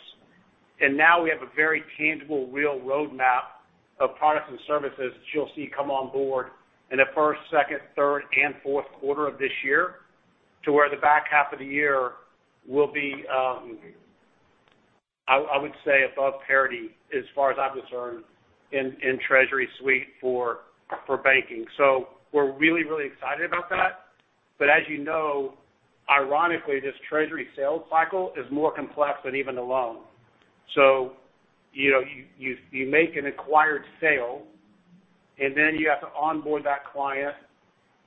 Now we have a very tangible, real roadmap of products and services that you'll see come on board in the first, second, third, and fourth quarter of this year to where the back half of the year will be, I would say, above parity as far as I'm concerned in treasury suite for banking. We're really excited about that. As you know, ironically, this treasury sales cycle is more complex than even a loan. You make an acquired sale Then you have to onboard that client.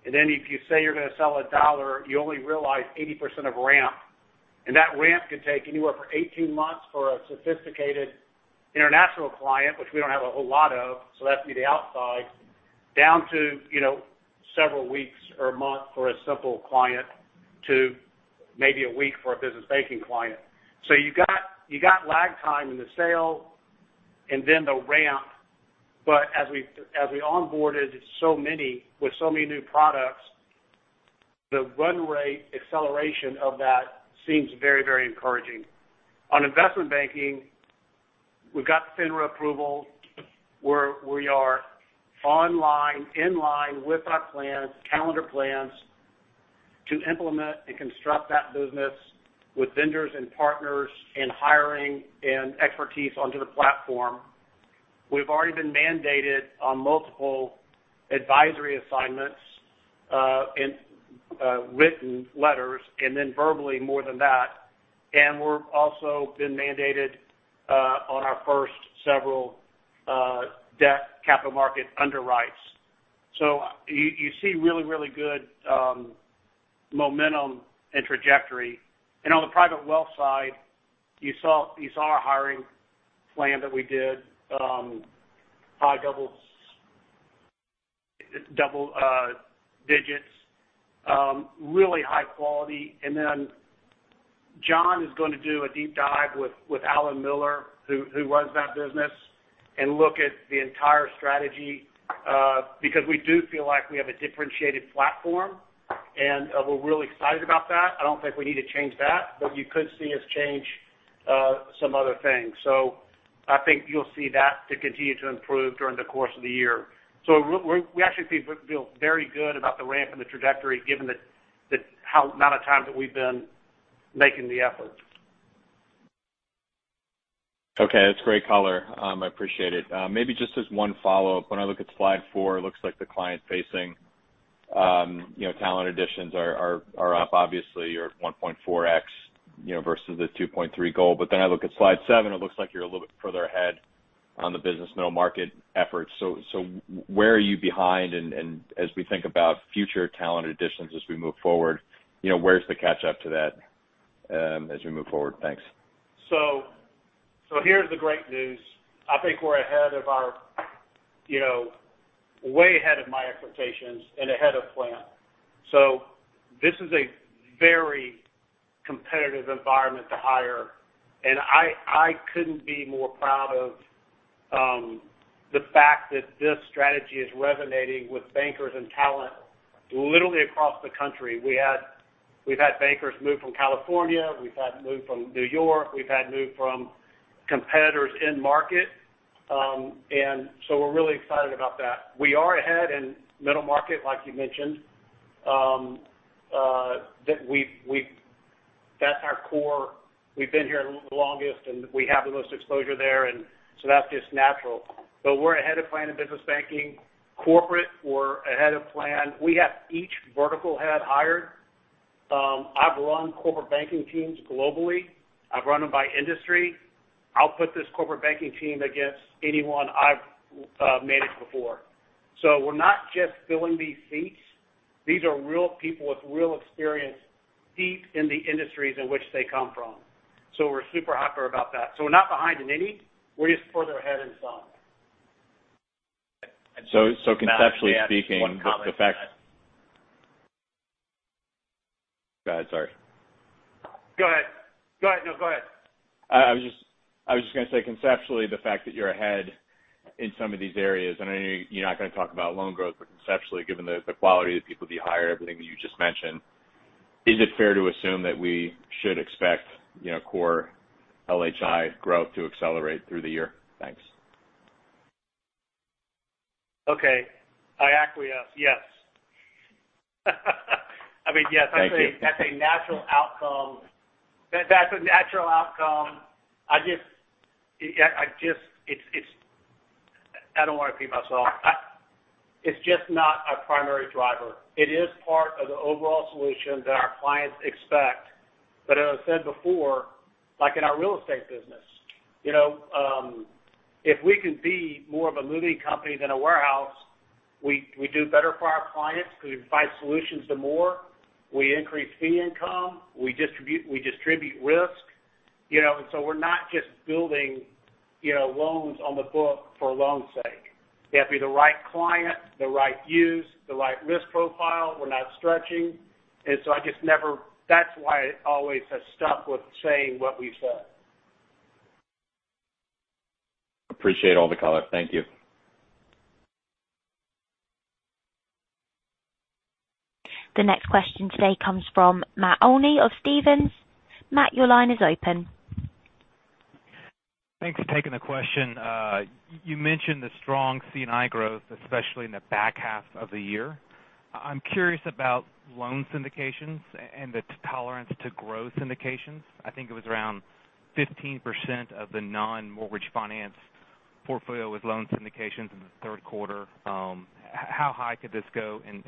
Then if you say you're going to sell $1, you only realize 80% of ramp. That ramp can take anywhere from 18 months for a sophisticated international client, which we don't have a whole lot of, so that'd be the outside, down to several weeks or a month for a simple client to maybe a week for a business banking client. You've got lag time in the sale and then the ramp. As we onboarded so many with so many new products, the run rate acceleration of that seems very encouraging. On investment banking, we've got FINRA approval. We are online, in line with our plans, calendar plans to implement and construct that business with vendors and partners in hiring and expertise onto the platform. We've already been mandated on multiple advisory assignments, in written letters and then verbally more than that. We're also been mandated on our first several debt capital market underwrites. You see really good momentum and trajectory. On the private wealth side, you saw our hiring plan that we did, high double digits. Really high quality. John is going to do a deep dive with Alan Miller, who runs that business, and look at the entire strategy, because we do feel like we have a differentiated platform, and we're really excited about that. I don't think we need to change that. You could see us change some other things. I think you'll see that to continue to improve during the course of the year. We actually feel very good about the ramp and the trajectory given the amount of time that we've been making the effort. Okay. That's great color. I appreciate it. Maybe just as one follow-up, when I look at slide four, it looks like the client-facing talent additions are up, obviously, your 1.4x versus the 2.3 goal. I look at slide seven, it looks like you're a little bit further ahead on the business middle market efforts. Where are you behind? As we think about future talent additions as we move forward, where's the catch-up to that as we move forward? Thanks. Here's the great news. I think we're way ahead of my expectations and ahead of plan. This is a very competitive environment to hire, I couldn't be more proud of the fact that this strategy is resonating with bankers and talent, literally across the country. We've had bankers move from California, we've had move from New York, we've had move from competitors in market. We're really excited about that. We are ahead in middle market, like you mentioned. That's our core. We've been here the longest, we have the most exposure there, that's just natural. We're ahead of plan in business banking. Corporate, we're ahead of plan. We have each vertical head hired. I've run corporate banking teams globally. I've run them by industry. I'll put this corporate banking team against anyone I've managed before. We are not just filling these seats. These are real people with real experience, deep in the industries in which they come from. We are super hyper about that. We are not behind in any. We are just further ahead in some. Conceptually speaking. Matt, may I add just one comment to that? Go ahead, sorry. Go ahead. No, go ahead. I was just going to say, conceptually, the fact that you're ahead in some of these areas, and I know you're not going to talk about loan growth, but conceptually, given the quality of the people that you hire, everything that you just mentioned, is it fair to assume that we should expect core LHI growth to accelerate through the year? Thanks. Okay. I acquiesce, yes. I mean, yes. Thank you. That's a natural outcome. I don't want to repeat myself. It's just not a primary driver. It is part of the overall solution that our clients expect. As I said before, like in our real estate business, if we can be more of a moving company than a warehouse, we do better for our clients because we provide solutions to more. We increase fee income. We distribute risk. We're not just building loans on the book for loan's sake. They have to be the right client, the right use, the right risk profile. We're not stretching. That's why it always has stuck with saying what we've said. Appreciate all the color. Thank you. The next question today comes from Matt Olney of Stephens. Matt, your line is open. Thanks for taking the question. You mentioned the strong C&I growth, especially in the back half of the year. I'm curious about loan syndications and the tolerance to grow syndications. I think it was around 15% of the non-mortgage finance portfolio with loan syndications in the third quarter. How high could this go and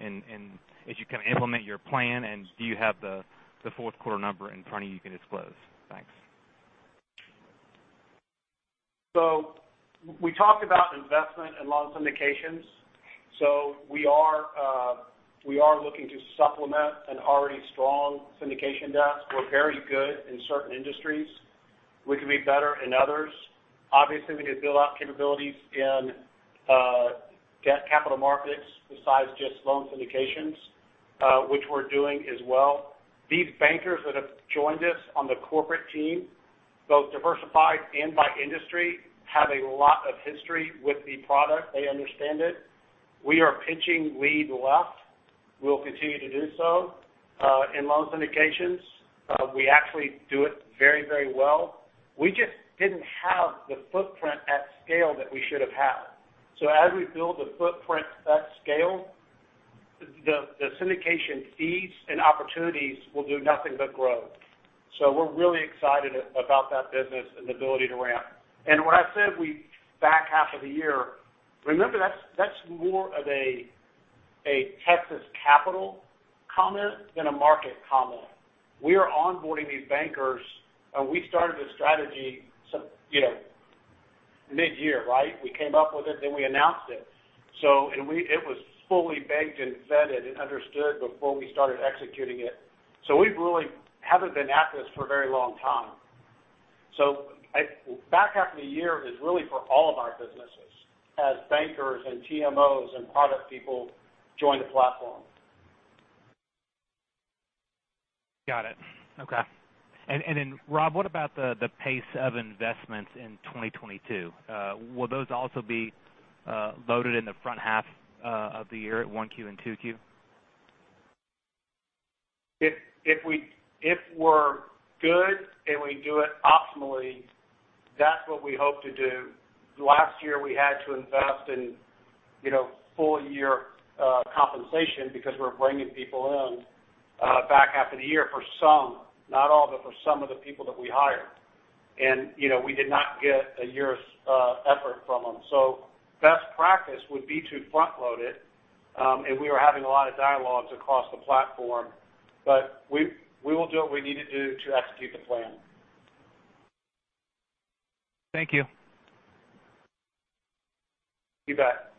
as you kind of implement your plan, and do you have the fourth quarter number in front of you you can disclose? Thanks. We talked about investment and loan syndications. We are looking to supplement an already strong syndication desk. We're very good in certain industries. We can be better in others. Obviously, we could build out capabilities in capital markets besides just loan syndications, which we're doing as well. These bankers that have joined us on the corporate team, both diversified and by industry, have a lot of history with the product. They understand it. We are pitching lead left. We'll continue to do so. In loan syndications, we actually do it very well. We just didn't have the footprint at scale that we should've had. As we build the footprint at scale, the syndication fees and opportunities will do nothing but grow. We're really excited about that business and the ability to ramp. When I said we back half of the year, remember that's more of a Texas Capital comment than a market comment. We are onboarding these bankers, and we started this strategy mid-year, right? We came up with it, then we announced it. It was fully banked and vetted and understood before we started executing it. We really haven't been at this for a very long time. Back half of the year is really for all of our businesses as bankers and TMOs and product people join the platform. Got it. Okay. Rob, what about the pace of investments in 2022? Will those also be loaded in the front half of the year at 1Q and 2Q? If we're good and we do it optimally, that's what we hope to do. Last year, we had to invest in full-year compensation because we're bringing people in back half of the year for some, not all, but for some of the people that we hired. We did not get a year's effort from them. Best practice would be to front-load it, and we are having a lot of dialogues across the platform. We will do what we need to do to execute the plan. Thank you. You bet.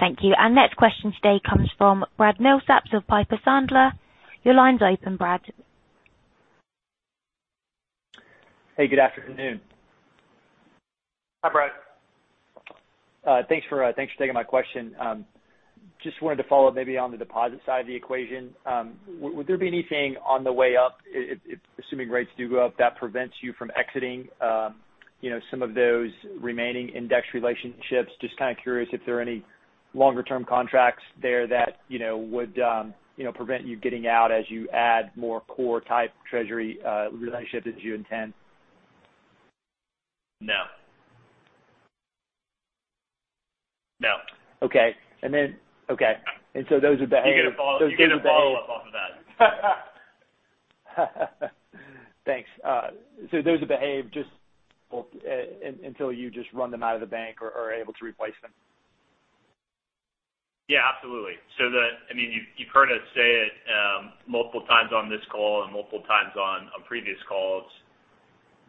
Thank you. Our next question today comes from Brad Milsaps of Piper Sandler. Your line's open, Brad. Hey, good afternoon. Hi, Brad. Thanks for taking my question. Just wanted to follow up maybe on the deposit side of the equation. Would there be anything on the way up, assuming rates do go up, that prevents you from exiting some of those remaining index relationships? Just kind of curious if there are any longer-term contracts there that would prevent you getting out as you add more core-type treasury relationships as you intend. No. Okay. Okay. You get to follow up off of that. Thanks. Those will behave just until you just run them out of the bank or are able to replace them. Yeah, absolutely. You've heard us say it multiple times on this call and multiple times on previous calls.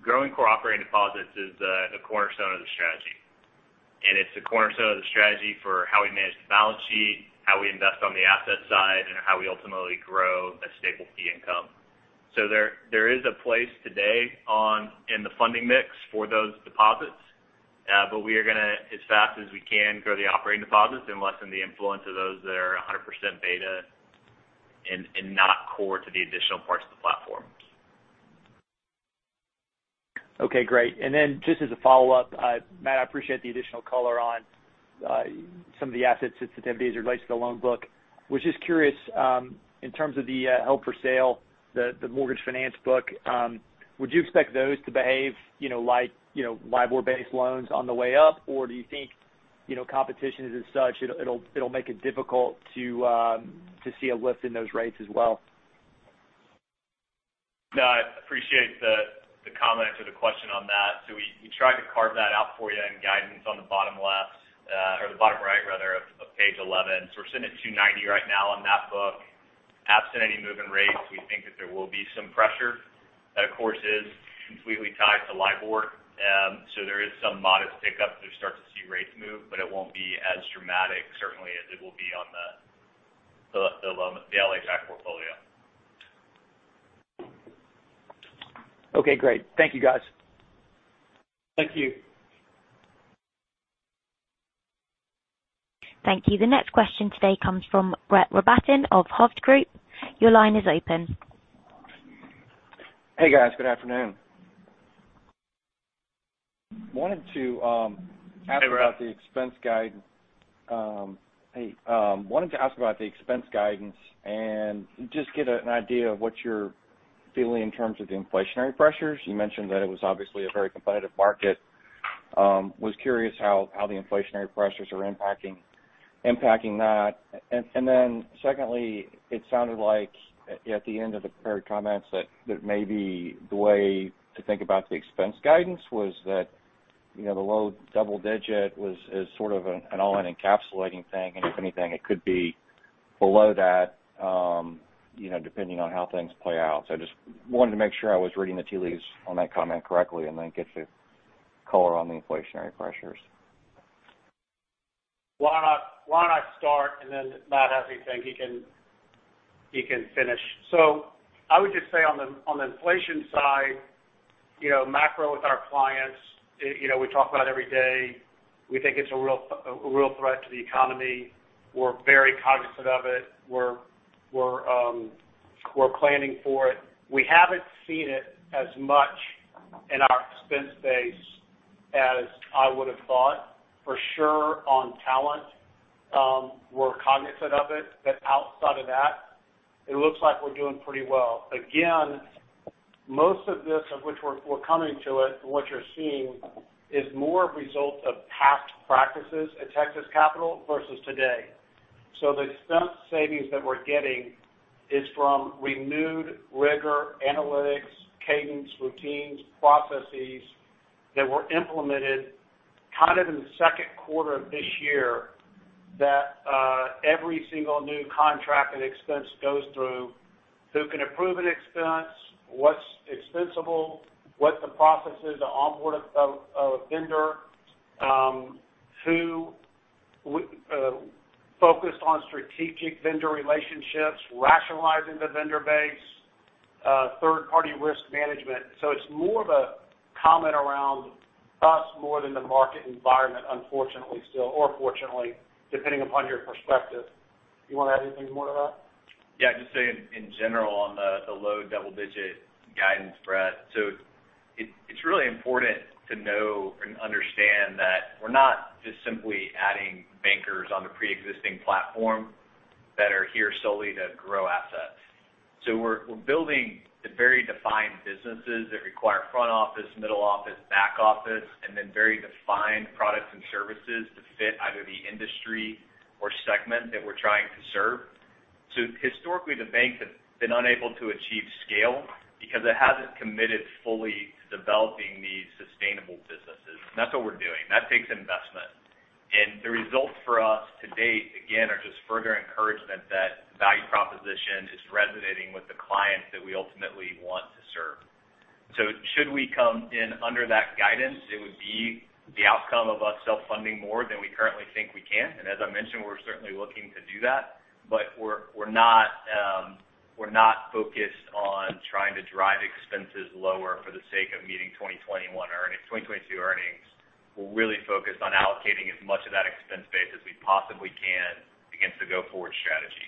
Growing core operating deposits is the cornerstone of the strategy. It's the cornerstone of the strategy for how we manage the balance sheet, how we invest on the asset side, and how we ultimately grow a stable fee income. There is a place today in the funding mix for those deposits. We are going to, as fast as we can, grow the operating deposits and lessen the influence of those that are 100% beta and not core to the additional parts of the platform. Okay, great. Just as a follow-up, Matt, I appreciate the additional color on some of the asset sensitivity as it relates to the loan book. Was just curious in terms of the held-for-sale, the mortgage finance book, would you expect those to behave like LIBOR-based loans on the way up? Or do you think competition is such it'll make it difficult to see a lift in those rates as well? No, I appreciate the comment or the question on that. We tried to carve that out for you in guidance on the bottom right of page 11. We're sitting at 290 right now on that book. Absent any move in rates, we think that there will be some pressure. That, of course, is completely tied to LIBOR. There is some modest pickup as we start to see rates move, but it won't be as dramatic, certainly, as it will be on the ALM portfolio. Okay, great. Thank you guys. Thank you. Thank you. The next question today comes from Brett Rabatin of Hovde Group. Your line is open. Hey, guys. Good afternoon. Wanted to ask. Hey, Brett wanted to ask about the expense guidance and just get an idea of what you're feeling in terms of the inflationary pressures. You mentioned that it was obviously a very competitive market. Was curious how the inflationary pressures are impacting that. Secondly, it sounded like at the end of the prepared comments that maybe the way to think about the expense guidance was that the low double-digit is sort of an all-encompassing thing, and if anything, it could be below that depending on how things play out. I just wanted to make sure I was reading the tea leaves on that comment correctly and then get the color on the inflationary pressures. Why don't I start, and then if Matt has anything, he can finish. I would just say on the inflation side, macro with our clients, we talk about every day. We think it's a real threat to the economy. We're very cognizant of it. We're planning for it. We haven't seen it as much in our expense base as I would've thought. For sure on talent, we're cognizant of it. Outside of that, it looks like we're doing pretty well. Again, most of this, of which we're coming to it, and what you're seeing is more a result of past practices at Texas Capital versus today. The expense savings that we're getting is from renewed rigor, analytics, cadence, routines, processes that were implemented kind of in the second quarter of this year that every single new contract and expense goes through. Who can approve an expense? What's expensable? What the process is to onboard a vendor. Who focused on strategic vendor relationships, rationalizing the vendor base, third-party risk management. It's more of a comment around us more than the market environment, unfortunately still, or fortunately, depending upon your perspective. You want to add anything more to that? Just saying in general on the low double-digit guidance, Brett. It's really important to know and understand that we're not just simply adding bankers on the preexisting platform that are here solely to grow assets. We're building the very defined businesses that require front office, middle office, back office, and then very defined products and services to fit either the industry or segment that we're trying to serve. Historically, the bank has been unable to achieve scale because it hasn't committed fully to developing these sustainable businesses. That's what we're doing. That takes investment. The results for us to date, again, are just further encouragement that value proposition is resonating with the clients that we ultimately want to serve. Should we come in under that guidance, it would be the outcome of us self-funding more than we currently think we can. As I mentioned, we're certainly looking to do that, we're not focused on trying to drive expenses lower for the sake of meeting 2022 earnings. We're really focused on allocating as much of that expense base as we possibly can against the go-forward strategy.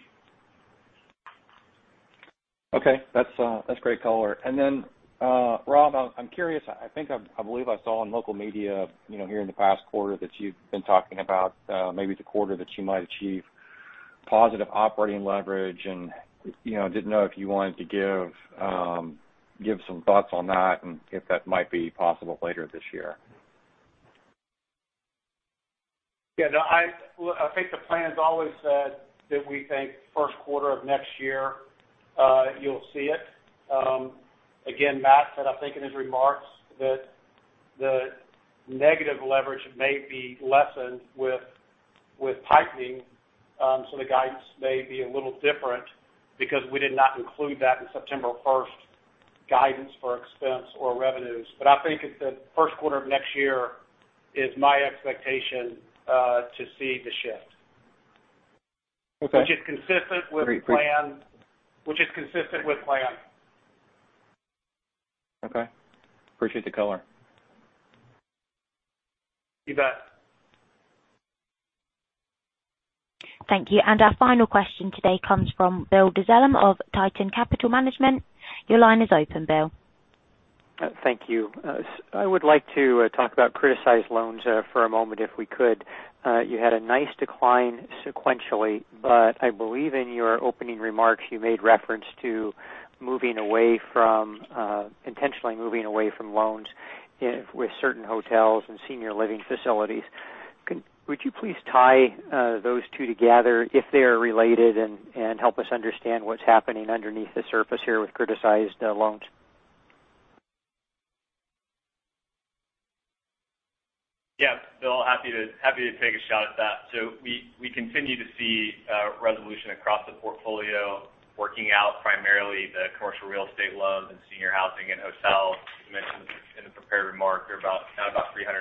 That's great color. Then Rob, I'm curious. I believe I saw on local media here in the past quarter that you've been talking about maybe the quarter that you might achieve positive operating leverage, didn't know if you wanted to give some thoughts on that and if that might be possible later this year. I think the plan's always said that we think first quarter of next year you'll see it. Again, Matt said, I think in his remarks, that the negative leverage may be lessened with tightening, the guidance may be a little different because we did not include that in September 1st guidance for expense or revenues. I think it's the first quarter of next year is my expectation to see the shift. Okay. Which is consistent with plan. Okay. Appreciate the color. You bet. Thank you. Our final question today comes from William Dezellem of Tieton Capital Management. Your line is open, Bill. Thank you. I would like to talk about criticized loans for a moment, if we could. You had a nice decline sequentially, but I believe in your opening remarks, you made reference to intentionally moving away from loans with certain hotels and senior living facilities. Would you please tie those two together if they are related and help us understand what's happening underneath the surface here with criticized loans? Yeah, Bill, happy to take a shot at that. We continue to see resolution across the portfolio working out primarily the commercial real estate loans and senior housing and hotels. You mentioned in the prepared remark, they're now about $367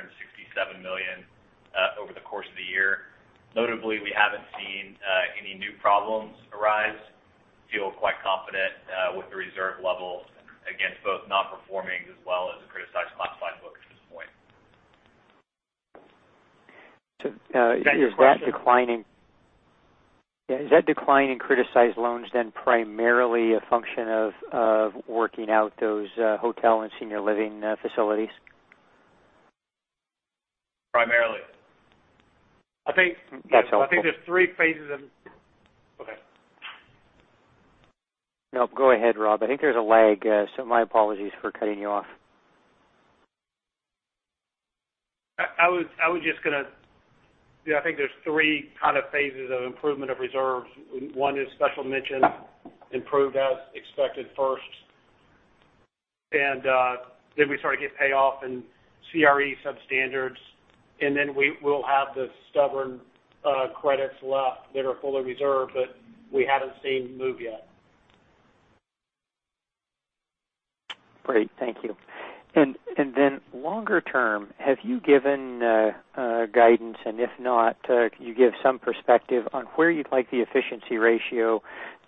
million over the course of the year. Notably, we haven't seen any new problems arise. Feel quite confident with the reserve levels against both non-performings as well as the criticized classified book at this point. Is that declining- Next question. Yeah. Is that decline in criticized loans then primarily a function of working out those hotel and senior living facilities? Primarily. I think That's helpful. I think there's three phases of okay. No, go ahead, Rob. I think there's a lag. My apologies for cutting you off. Yeah, I think there's three phases of improvement of reserves. One is special mention, improved as expected first, and then we start to get payoff and CRE sub-standards, and then we'll have the stubborn credits left that are fully reserved, but we haven't seen move yet. Great. Thank you. Then longer term, have you given guidance? If not, can you give some perspective on where you'd like the efficiency ratio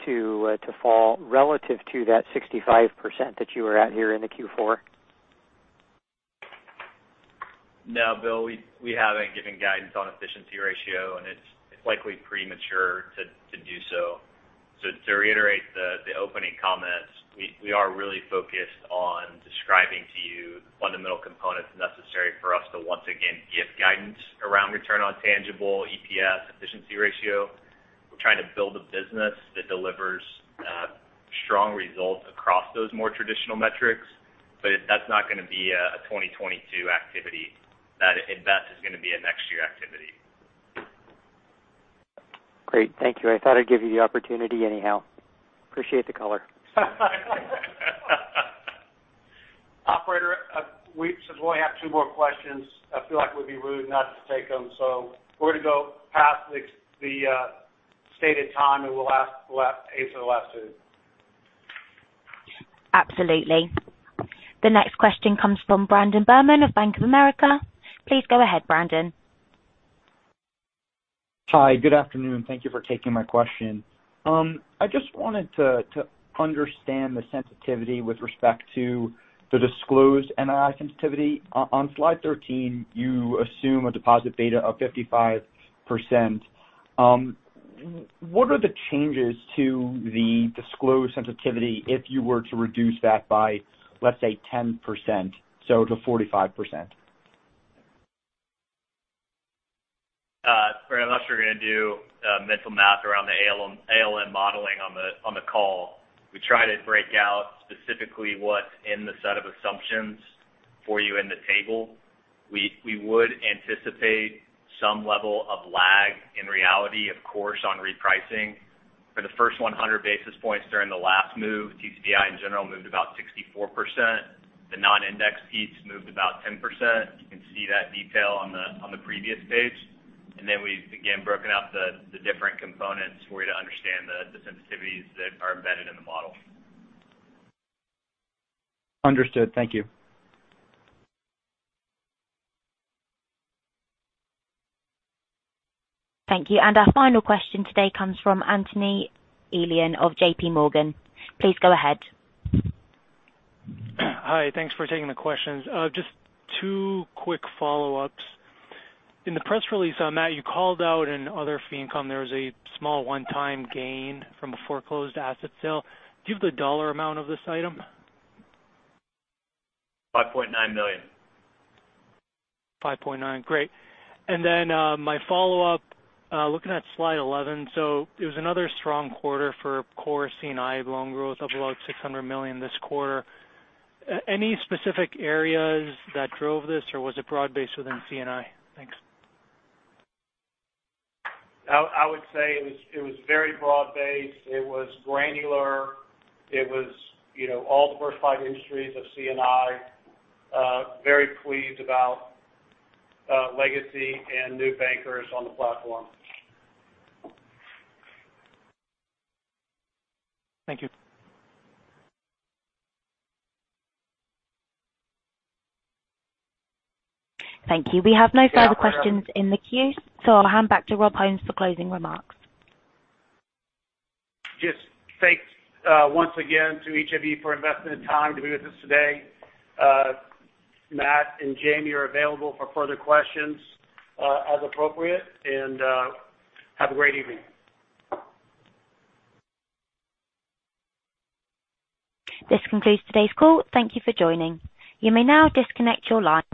to fall relative to that 65% that you were at here in the Q4? No, Bill, we haven't given guidance on efficiency ratio, and it's likely premature to do so. To reiterate the opening comments, we are really focused on describing to you the fundamental components necessary for us to once again give guidance around return on tangible EPS efficiency ratio. We're trying to build a business that delivers strong results across those more traditional metrics. That's not going to be a 2022 activity. That is going to be a next year activity. Great. Thank you. I thought I'd give you the opportunity anyhow. Appreciate the color. Operator, since we only have two more questions, I feel like we'd be rude not to take them. We're going to go past the stated time, and we'll answer the last two. Absolutely. The next question comes from Ebrahim Poonawala of Bank of America. Please go ahead, Ebrahim. Hi. Good afternoon. Thank you for taking my question. I just wanted to understand the sensitivity with respect to the disclosed NII sensitivity. On slide 13, you assume a deposit beta of 55%. What are the changes to the disclosed sensitivity if you were to reduce that by, let's say, 10%, so to 45%? Ebrahim, unless you're going to do mental math around the ALM modeling on the call, we try to break out specifically what's in the set of assumptions for you in the table. We would anticipate some level of lag in reality, of course, on repricing. For the first 100 basis points during the last move, TCBI in general moved about 64%. The non-index piece moved about 10%. You can see that detail on the previous page. we've again, broken out the different components for you to understand the sensitivities that are embedded in the model. Understood. Thank you. Thank you. our final question today comes from Anthony Elian of J.P. Morgan. Please go ahead. Hi. Thanks for taking the questions. Just two quick follow-ups. In the press release, Matt, you called out in other fee income, there was a small one-time gain from a foreclosed asset sale. Do you have the dollar amount of this item? $5.9 million. 5.9. Great. My follow-up, looking at slide 11. It was another strong quarter for core C&I loan growth of about $600 million this quarter. Any specific areas that drove this, or was it broad-based within C&I? Thanks. I would say it was very broad-based. It was granular. It was all diversified industries of C&I. Very pleased about legacy and new bankers on the platform. Thank you. Thank you. We have no further questions in the queue, so I'll hand back to Rob Holmes for closing remarks. Just thanks once again to each of you for investing the time to be with us today. Matt and Jamie are available for further questions, as appropriate. Have a great evening. This concludes today's call. Thank you for joining. You may now disconnect your line.